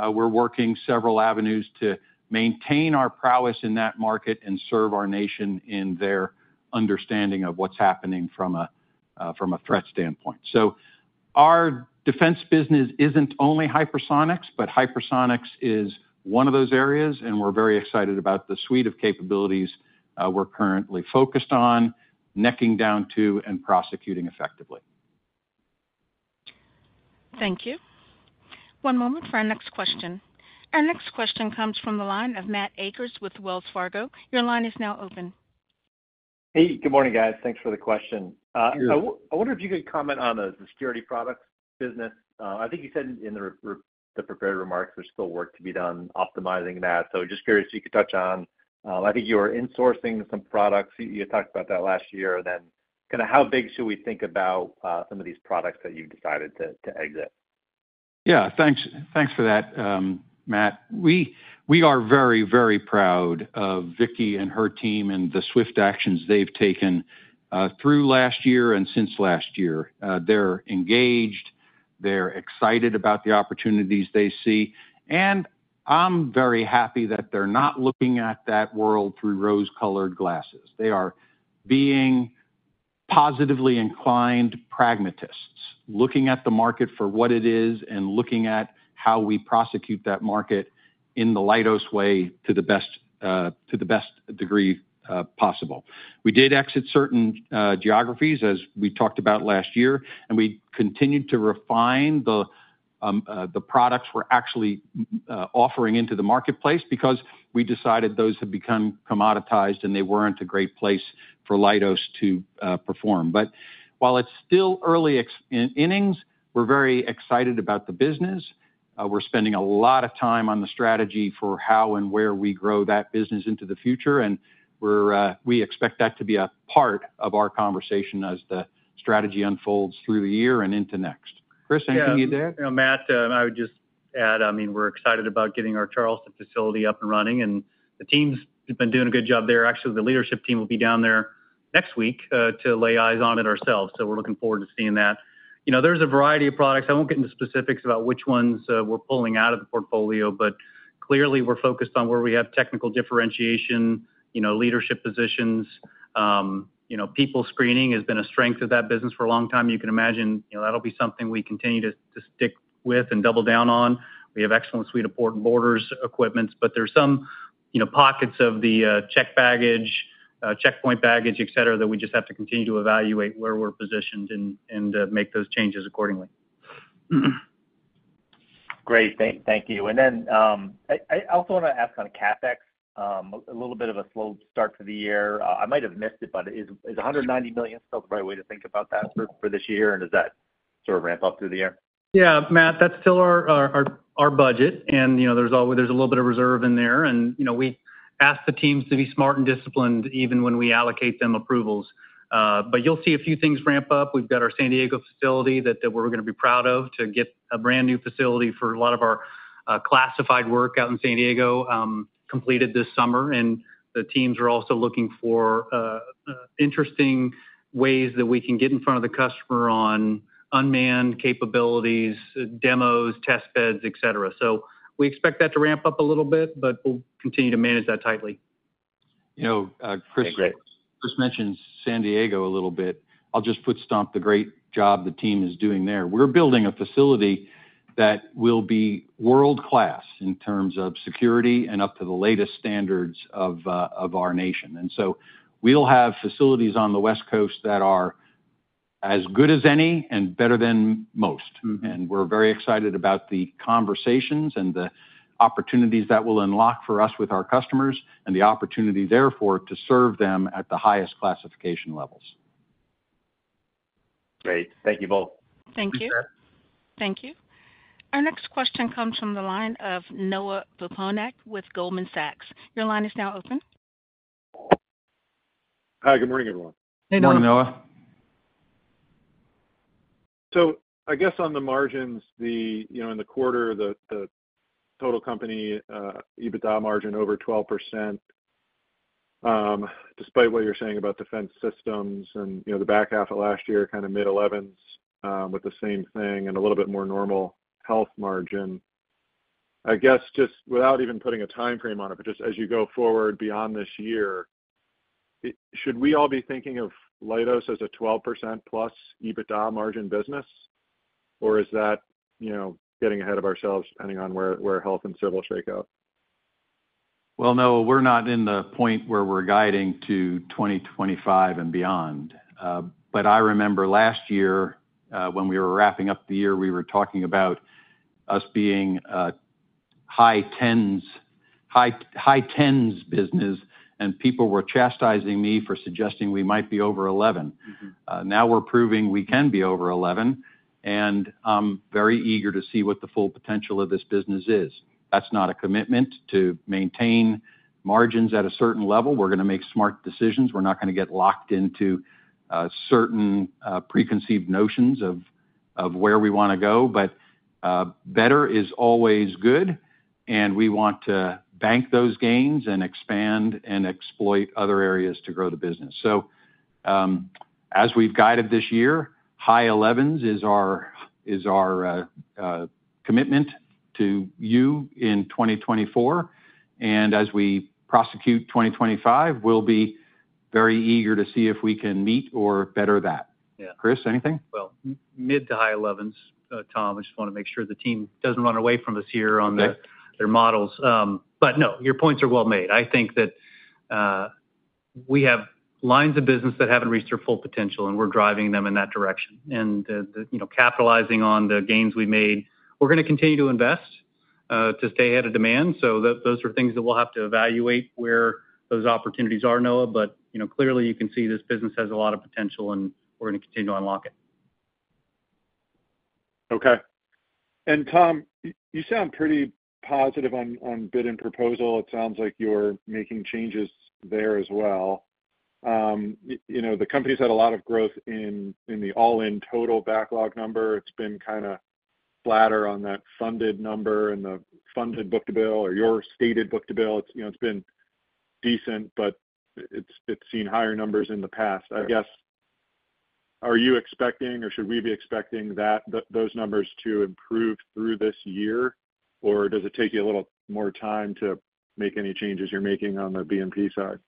we're working several avenues to maintain our prowess in that market and serve our nation in their understanding of what's happening from a threat standpoint. So our defense business isn't only hypersonics, but hypersonics is one of those areas. And we're very excited about the suite of capabilities we're currently focused on, necking down to and prosecuting effectively. Thank you. One moment for our next question. Our next question comes from the line of Matt Akers with Wells Fargo. Your line is now open. Hey, good morning, guys. Thanks for the question. I wonder if you could comment on the security products business. I think you said in the prepared remarks, there's still work to be done optimizing that. So just curious if you could touch on I think you were insourcing some products. You had talked about that last year. Then kind of how big should we think about some of these products that you've decided to exit? Yeah. Thanks for that, Matt. We are very, very proud of Vicki and her team and the swift actions they've taken through last year and since last year. They're engaged. They're excited about the opportunities they see. And I'm very happy that they're not looking at that world through rose-colored glasses. They are being positively inclined pragmatists, looking at the market for what it is and looking at how we prosecute that market in the Leidos way to the best degree possible. We did exit certain geographies, as we talked about last year, and we continued to refine the products we're actually offering into the marketplace because we decided those had become commoditized and they weren't a great place for Leidos to perform. But while it's still early innings, we're very excited about the business. We're spending a lot of time on the strategy for how and where we grow that business into the future. We expect that to be a part of our conversation as the strategy unfolds through the year and into next. Chris, anything you'd add? Yeah. Matt, I would just add, I mean, we're excited about getting our Charleston facility up and running, and the team's been doing a good job there. Actually, the leadership team will be down there next week to lay eyes on it ourselves. So we're looking forward to seeing that. There's a variety of products. I won't get into specifics about which ones we're pulling out of the portfolio, but clearly, we're focused on where we have technical differentiation, leadership positions. People screening has been a strength of that business for a long time. You can imagine that'll be something we continue to stick with and double down on. We have excellent suite of port and borders equipment, but there's some pockets of the check baggage, checkpoint baggage, etc., that we just have to continue to evaluate where we're positioned and make those changes accordingly. Great. Thank you. And then I also want to ask on CapEx, a little bit of a slow start to the year. I might have missed it, but is $190 million still the right way to think about that for this year, and does that sort of ramp up through the year? Yeah. Matt, that's still our budget, and there's a little bit of reserve in there. And we ask the teams to be smart and disciplined even when we allocate them approvals. But you'll see a few things ramp up. We've got our San Diego facility that we're going to be proud of to get a brand new facility for a lot of our classified work out in San Diego completed this summer. The teams are also looking for interesting ways that we can get in front of the customer on unmanned capabilities, demos, test beds, etc. We expect that to ramp up a little bit, but we'll continue to manage that tightly. Chris mentioned San Diego a little bit. I'll just footstomp the great job the team is doing there. We're building a facility that will be world-class in terms of security and up to the latest standards of our nation. So we'll have facilities on the West Coast that are as good as any and better than most. And we're very excited about the conversations and the opportunities that will unlock for us with our customers and the opportunity therefore to serve them at the highest classification levels. Great. Thank you both. Thank you. Thank you. Our next question comes from the line of Noah Poponak with Goldman Sachs. Your line is now open. Hi. Good morning, everyone. Hey, Noah. Morning, Noah. So I guess on the margins, in the quarter, the total company, EBITDA margin over 12%, despite what you're saying about defense systems and the back half of last year, kind of mid-11s with the same thing and a little bit more normal health margin. I guess just without even putting a time frame on it, but just as you go forward beyond this year, should we all be thinking of Leidos as a 12%-plus EBITDA margin business, or is that getting ahead of ourselves depending on where health and civil shake out? Well, Noah, we're not at the point where we're guiding to 2025 and beyond. But I remember last year when we were wrapping up the year, we were talking about us being a high-10s business, and people were chastising me for suggesting we might be over 11. Now we're proving we can be over 11, and I'm very eager to see what the full potential of this business is. That's not a commitment to maintain margins at a certain level. We're going to make smart decisions. We're not going to get locked into certain preconceived notions of where we want to go. Better is always good, and we want to bank those gains and expand and exploit other areas to grow the business. As we've guided this year, high 11s is our commitment to you in 2024. As we prosecute 2025, we'll be very eager to see if we can meet or better that. Chris, anything? Well, mid to high 11s, Tom. I just want to make sure the team doesn't run away from us here on their models. No, your points are well made. I think that we have lines of business that haven't reached their full potential, and we're driving them in that direction. Capitalizing on the gains we made, we're going to continue to invest to stay ahead of demand. Those are things that we'll have to evaluate where those opportunities are, Noah. But clearly, you can see this business has a lot of potential, and we're going to continue to unlock it. Okay. And Tom, you sound pretty positive on bid and proposal. It sounds like you're making changes there as well. The company's had a lot of growth in the all-in total backlog number. It's been kind of flatter on that funded number and the funded book-to-bill or your stated book-to-bill. It's been decent, but it's seen higher numbers in the past. I guess, are you expecting or should we be expecting those numbers to improve through this year, or does it take you a little more time to make any changes you're making on the BNP side?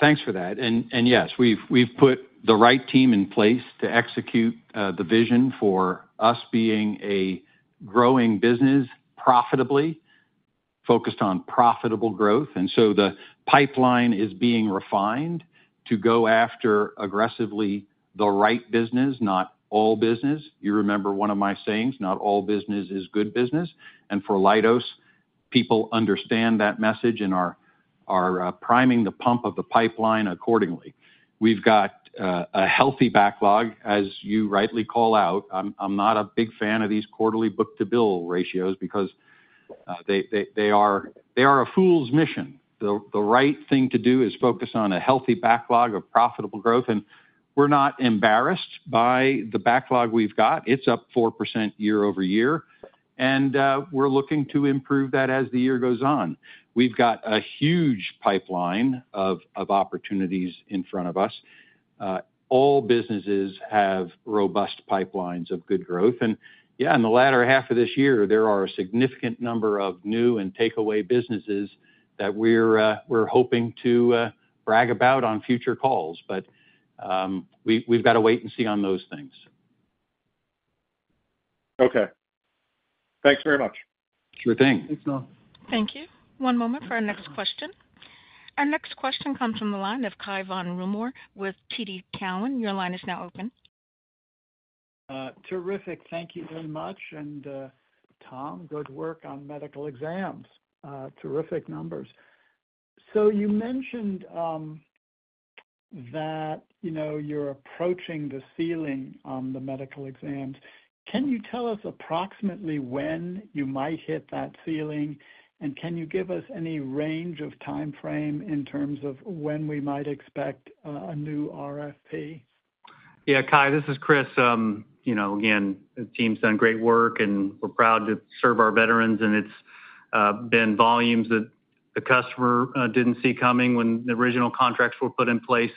Thanks for that. And yes, we've put the right team in place to execute the vision for us being a growing business profitably, focused on profitable growth. So the pipeline is being refined to go after aggressively the right business, not all business. You remember one of my sayings, "Not all business is good business." And for Leidos, people understand that message and are priming the pump of the pipeline accordingly. We've got a healthy backlog, as you rightly call out. I'm not a big fan of these quarterly book-to-bill ratios because they are a fool's mission. The right thing to do is focus on a healthy backlog of profitable growth. And we're not embarrassed by the backlog we've got. It's up 4% year-over-year, and we're looking to improve that as the year goes on. We've got a huge pipeline of opportunities in front of us. All businesses have robust pipelines of good growth. Yeah, in the latter half of this year, there are a significant number of new and takeaway businesses that we're hoping to brag about on future calls. But we've got to wait and see on those things. Okay. Thanks very much. Sure thing. Thanks, Noah. Thank you. One moment for our next question. Our next question comes from the line of Kai Von Rumor with TD Cowen. Your line is now open. Terrific. Thank you very much. Tom, good work on medical exams. Terrific numbers. So you mentioned that you're approaching the ceiling on the medical exams. Can you tell us approximately when you might hit that ceiling, and can you give us any range of time frame in terms of when we might expect a new RFP? Yeah, Kai, this is Chris. Again, the team's done great work, and we're proud to serve our veterans. It's been volumes that the customer didn't see coming when the original contracts were put in place.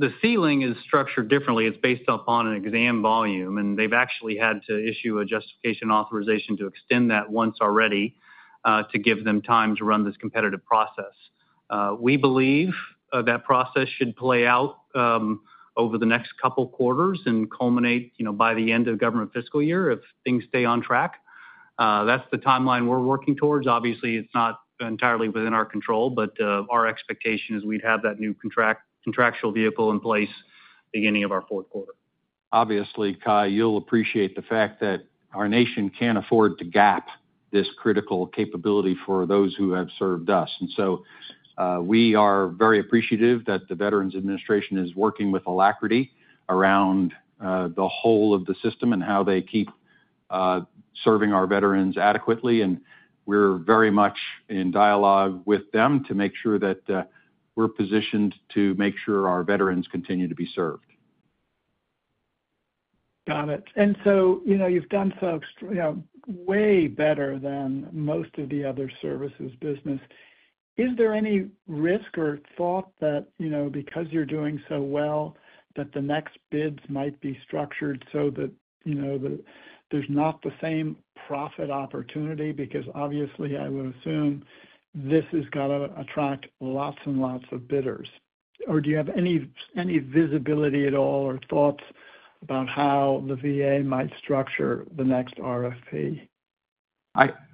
The ceiling is structured differently. It's based upon an exam volume, and they've actually had to issue a justification authorization to extend that once already to give them time to run this competitive process. We believe that process should play out over the next couple of quarters and culminate by the end of government fiscal year if things stay on track. That's the timeline we're working towards. Obviously, it's not entirely within our control, but our expectation is we'd have that new contractual vehicle in place beginning of our fourth quarter. Obviously, Kai, you'll appreciate the fact that our nation can't afford to gap this critical capability for those who have served us. And so we are very appreciative that the Veterans Administration is working with alacrity around the whole of the system and how they keep serving our veterans adequately. And we're very much in dialogue with them to make sure that we're positioned to make sure our veterans continue to be served. Got it. And so you've done so way better than most of the other services business. Is there any risk or thought that because you're doing so well, that the next bids might be structured so that there's not the same profit opportunity? Because obviously, I would assume this has got to attract lots and lots of bidders. Or do you have any visibility at all or thoughts about how the VA might structure the next RFP?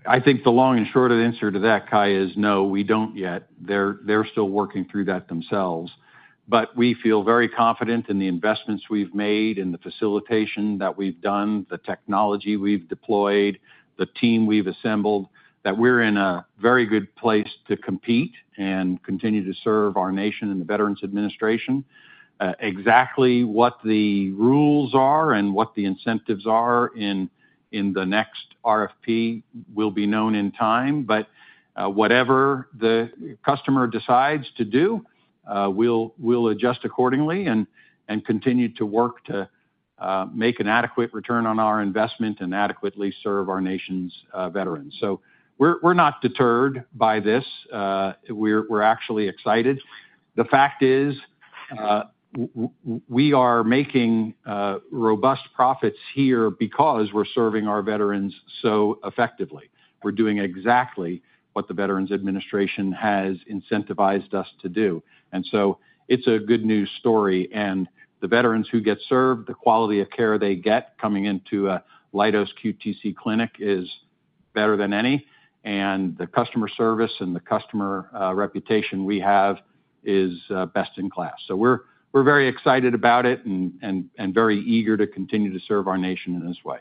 I think the long and short answer to that, Kai, is no, we don't yet. They're still working through that themselves. But we feel very confident in the investments we've made, in the facilitation that we've done, the technology we've deployed, the team we've assembled, that we're in a very good place to compete and continue to serve our nation and the Veterans Administration. Exactly what the rules are and what the incentives are in the next RFP will be known in time. But whatever the customer decides to do, we'll adjust accordingly and continue to work to make an adequate return on our investment and adequately serve our nation's veterans. So we're not deterred by this. We're actually excited. The fact is, we are making robust profits here because we're serving our veterans so effectively. We're doing exactly what the Veterans Administration has incentivized us to do. And so it's a good news story. The veterans who get served, the quality of care they get coming into a Leidos QTC clinic is better than any. And the customer service and the customer reputation we have is best in class. So we're very excited about it and very eager to continue to serve our nation in this way.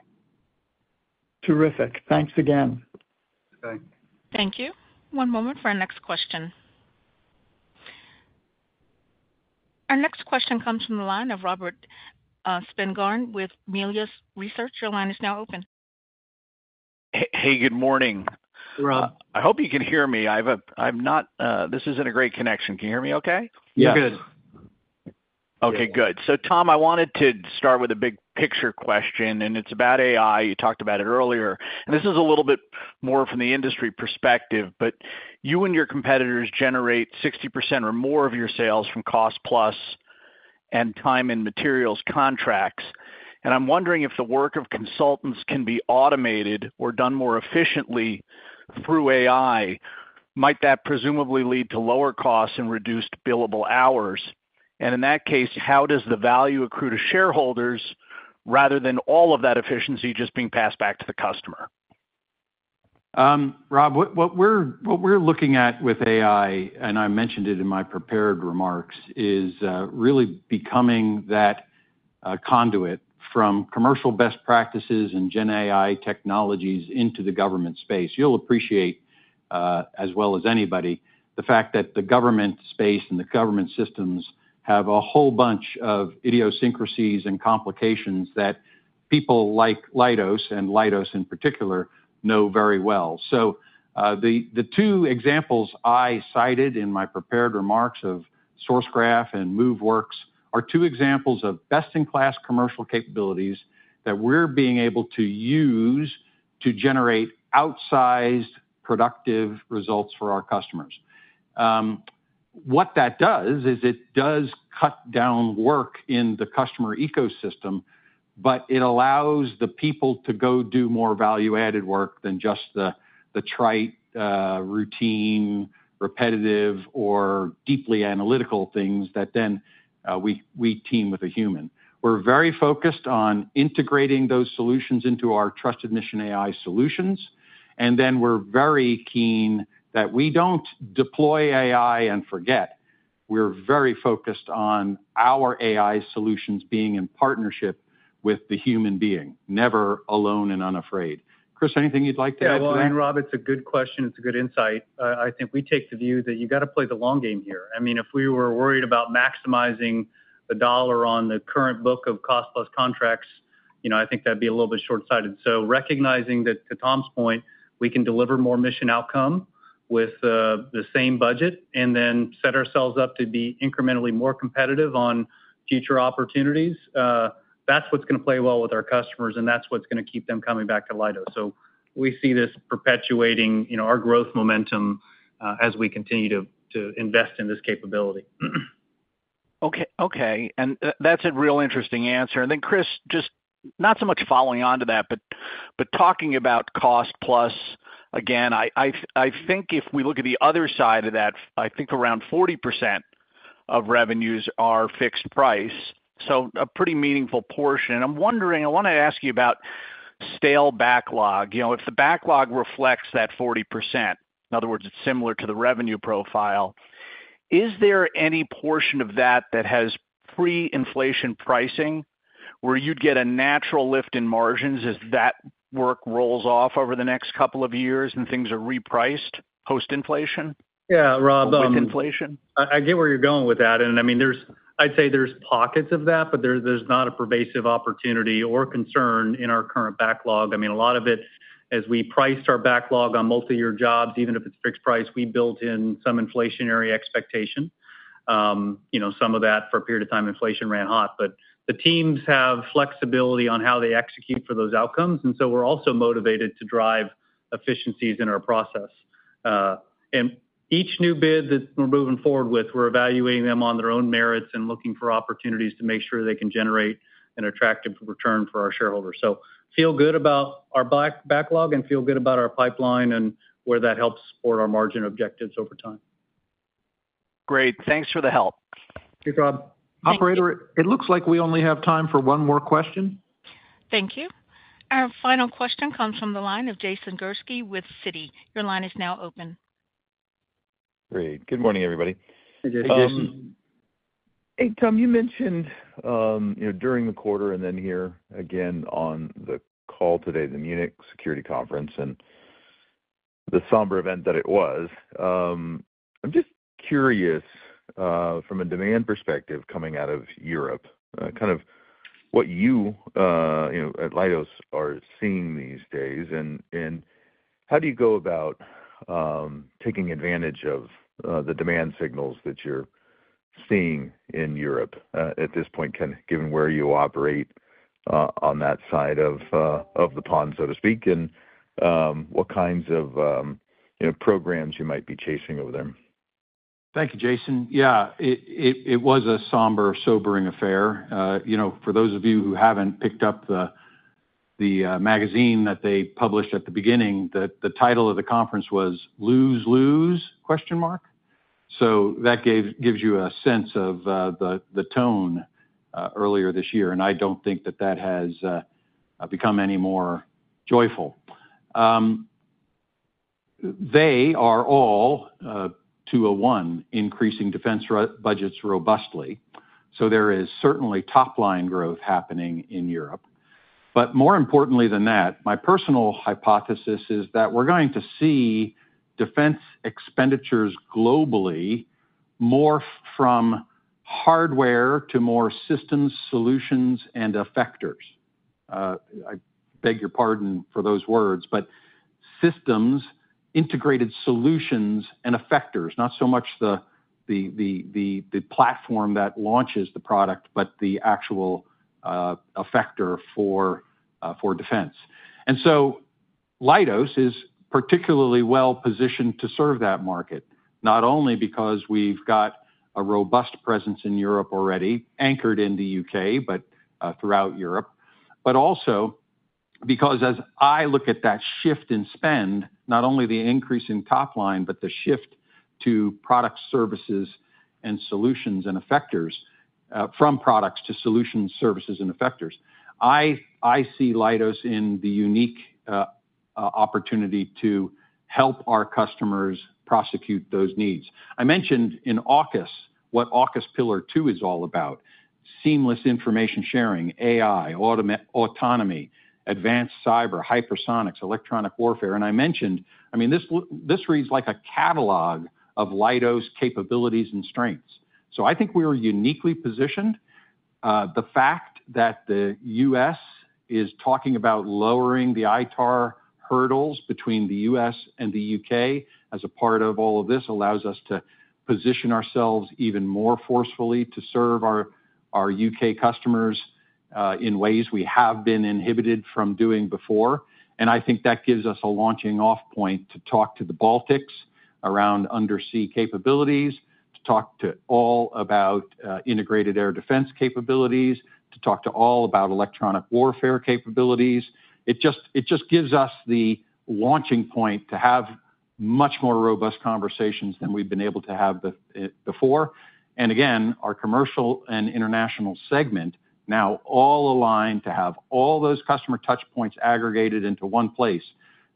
Terrific. Thanks again. Thank you. One moment for our next question. Our next question comes from the line of Robert Spengarn with Melius Research. Your line is now open. Hey, good morning. I hope you can hear me. This isn't a great connection. Can you hear me okay? Yeah. You're good. Okay, good. So Tom, I wanted to start with a big picture question, and it's about AI. You talked about it earlier. And this is a little bit more from the industry perspective. But you and your competitors generate 60% or more of your sales from cost-plus and time-in-materials contracts. And I'm wondering if the work of consultants can be automated or done more efficiently through AI. Might that presumably lead to lower costs and reduced billable hours? And in that case, how does the value accrue to shareholders rather than all of that efficiency just being passed back to the customer? Rob, what we're looking at with AI, and I mentioned it in my prepared remarks, is really becoming that conduit from commercial best practices and GenAI technologies into the government space. You'll appreciate, as well as anybody, the fact that the government space and the government systems have a whole bunch of idiosyncrasies and complications that people like Leidos and Leidos in particular know very well. So the two examples I cited in my prepared remarks of Sourcegraph and Moveworks are two examples of best-in-class commercial capabilities that we're being able to use to generate outsized productive results for our customers. What that does is it does cut down work in the customer ecosystem, but it allows the people to go do more value-added work than just the trite, routine, repetitive, or deeply analytical things that then we team with a human. We're very focused on integrating those solutions into our Trusted Mission AI solutions. And then we're very keen that we don't deploy AI and forget. We're very focused on our AI solutions being in partnership with the human being, never alone and unafraid. Chris, anything you'd like to add to that? Yeah, well, I mean, Rob, it's a good question. It's a good insight. I think we take the view that you got to play the long game here. I mean, if we were worried about maximizing the dollar on the current book of cost-plus contracts, I think that'd be a little bit shortsighted. So recognizing that, to Tom's point, we can deliver more mission outcome with the same budget and then set ourselves up to be incrementally more competitive on future opportunities, that's what's going to play well with our customers, and that's what's going to keep them coming back to Leidos. So we see this perpetuating our growth momentum as we continue to invest in this capability. Okay. Okay. And that's a real interesting answer. Then, Chris, just not so much following on to that, but talking about cost-plus, again, I think if we look at the other side of that, I think around 40% of revenues are fixed price, so a pretty meaningful portion. I'm wondering, I want to ask you about stale backlog. If the backlog reflects that 40%, in other words, it's similar to the revenue profile, is there any portion of that that has pre-inflation pricing where you'd get a natural lift in margins as that work rolls off over the next couple of years and things are repriced post-inflation? Yeah, Rob. Post-inflation? I get where you're going with that. And I mean, I'd say there's pockets of that, but there's not a pervasive opportunity or concern in our current backlog. I mean, a lot of it, as we priced our backlog on multi-year jobs, even if it's fixed price, we built in some inflationary expectation. Some of that for a period of time, inflation ran hot. But the teams have flexibility on how they execute for those outcomes. And so we're also motivated to drive efficiencies in our process. And each new bid that we're moving forward with, we're evaluating them on their own merits and looking for opportunities to make sure they can generate an attractive return for our shareholders. So feel good about our backlog and feel good about our pipeline and where that helps support our margin objectives over time. Great. Thanks for the help. Thanks, Rob. Operator, it looks like we only have time for one more question. Thank you. Our final question comes from the line of Jason Gursky with Citi. Your line is now open. Great. Good morning, everybody. Hey, Jason. Hey, Jason. Hey, Tom, you mentioned during the quarter and then here again on the call today, the Munich Security Conference, and the somber event that it was. I'm just curious, from a demand perspective coming out of Europe, kind of what you at Leidos are seeing these days, and how do you go about taking advantage of the demand signals that you're seeing in Europe at this point, given where you operate on that side of the pond, so to speak, and what kinds of programs you might be chasing over there? Thank you, Jason. Yeah, it was a somber, sobering affair. For those of you who haven't picked up the magazine that they published at the beginning, the title of the conference was "Lose, Lose?" So that gives you a sense of the tone earlier this year. I don't think that that has become any more joyful. They are all now increasing defense budgets robustly. So there is certainly top-line growth happening in Europe. But more importantly than that, my personal hypothesis is that we're going to see defense expenditures globally morph from hardware to more systems, solutions, and effectors. I beg your pardon for those words, but systems, integrated solutions, and effectors, not so much the platform that launches the product, but the actual effector for defense. And so Leidos is particularly well-positioned to serve that market, not only because we've got a robust presence in Europe already, anchored in the UK, but throughout Europe, but also because as I look at that shift in spend, not only the increase in top line, but the shift to products, services, and solutions and effectors, from products to solutions, services, and effectors, I see Leidos in the unique opportunity to help our customers prosecute those needs. I mentioned in AUKUS what AUKUS Pillar 2 is all about: seamless information sharing, AI, autonomy, advanced cyber, hypersonics, electronic warfare. And I mentioned, I mean, this reads like a catalog of Leidos' capabilities and strengths. So I think we are uniquely positioned. The fact that the U.S. is talking about lowering the ITAR hurdles between the U.S. and the U.K. as a part of all of this allows us to position ourselves even more forcefully to serve our U.K. customers in ways we have been inhibited from doing before. And I think that gives us a launching-off point to talk to the Baltics around undersea capabilities, to talk to all about integrated air defense capabilities, to talk to all about electronic warfare capabilities. It just gives us the launching point to have much more robust conversations than we've been able to have before. And again, our commercial and international segment now all align to have all those customer touchpoints aggregated into one place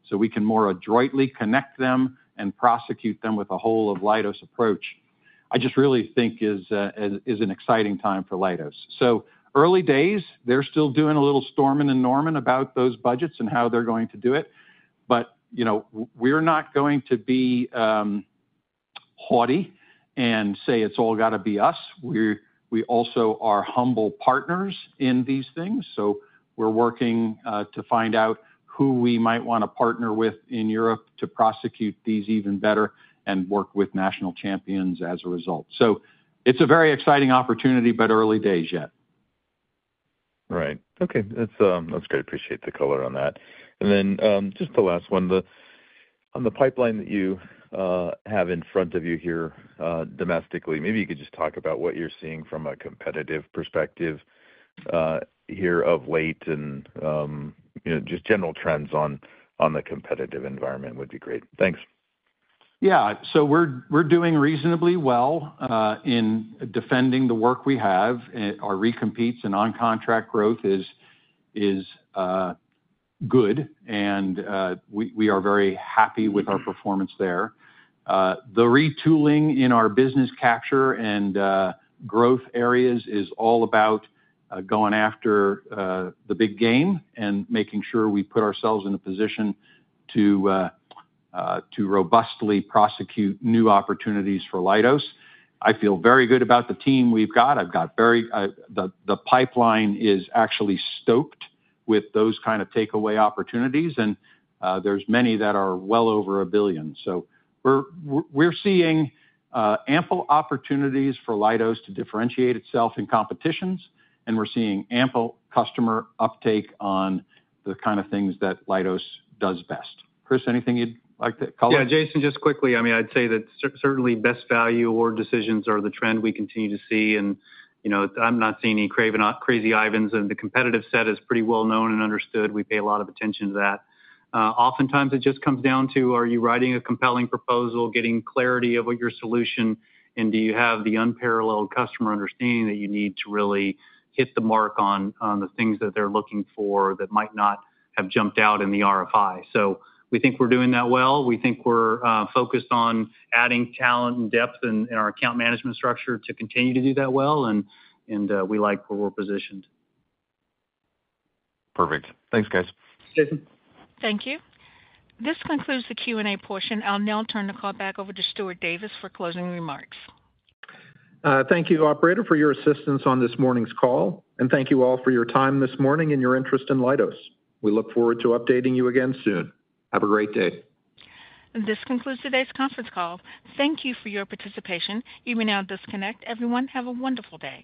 so we can more adroitly connect them and prosecute them with a whole of Leidos' approach. I just really think is an exciting time for Leidos. So early days, they're still doing a little storming and norming about those budgets and how they're going to do it. But we're not going to be haughty and say it's all got to be us. We also are humble partners in these things. So we're working to find out who we might want to partner with in Europe to prosecute these even better and work with national champions as a result. So it's a very exciting opportunity, but early days yet. Right. Okay. That's great. Appreciate the color on that. And then just the last one. On the pipeline that you have in front of you here domestically, maybe you could just talk about what you're seeing from a competitive perspective here of late and just general trends on the competitive environment would be great. Thanks. Yeah. So we're doing reasonably well in defending the work we have. Our recompetes and on-contract growth is good. We are very happy with our performance there. The retooling in our business capture and growth areas is all about going after the big game and making sure we put ourselves in a position to robustly prosecute new opportunities for Leidos. I feel very good about the team we've got. I've got the pipeline is actually stoked with those kind of takeaway opportunities. There's many that are well over $1 billion. So we're seeing ample opportunities for Leidos to differentiate itself in competitions. We're seeing ample customer uptake on the kind of things that Leidos does best. Chris, anything you'd like to color? Yeah, Jason, just quickly. I mean, I'd say that certainly best value award decisions are the trend we continue to see. I'm not seeing any crazy Ivans. And the competitive set is pretty well known and understood. We pay a lot of attention to that. Oftentimes, it just comes down to, are you writing a compelling proposal, getting clarity of what your solution is, and do you have the unparalleled customer understanding that you need to really hit the mark on the things that they're looking for that might not have jumped out in the RFI? So we think we're doing that well. We think we're focused on adding talent and depth in our account management structure to continue to do that well. And we like where we're positioned. Perfect. Thanks, guys. Jason? Thank you. This concludes the Q&A portion. I'll now turn the call back over to Stuart Davis for closing remarks. Thank you, Operator, for your assistance on this morning's call. And thank you all for your time this morning and your interest in Leidos. We look forward to updating you again soon. Have a great day. This concludes today's conference call. Thank you for your participation. You may now disconnect. Everyone, have a wonderful day.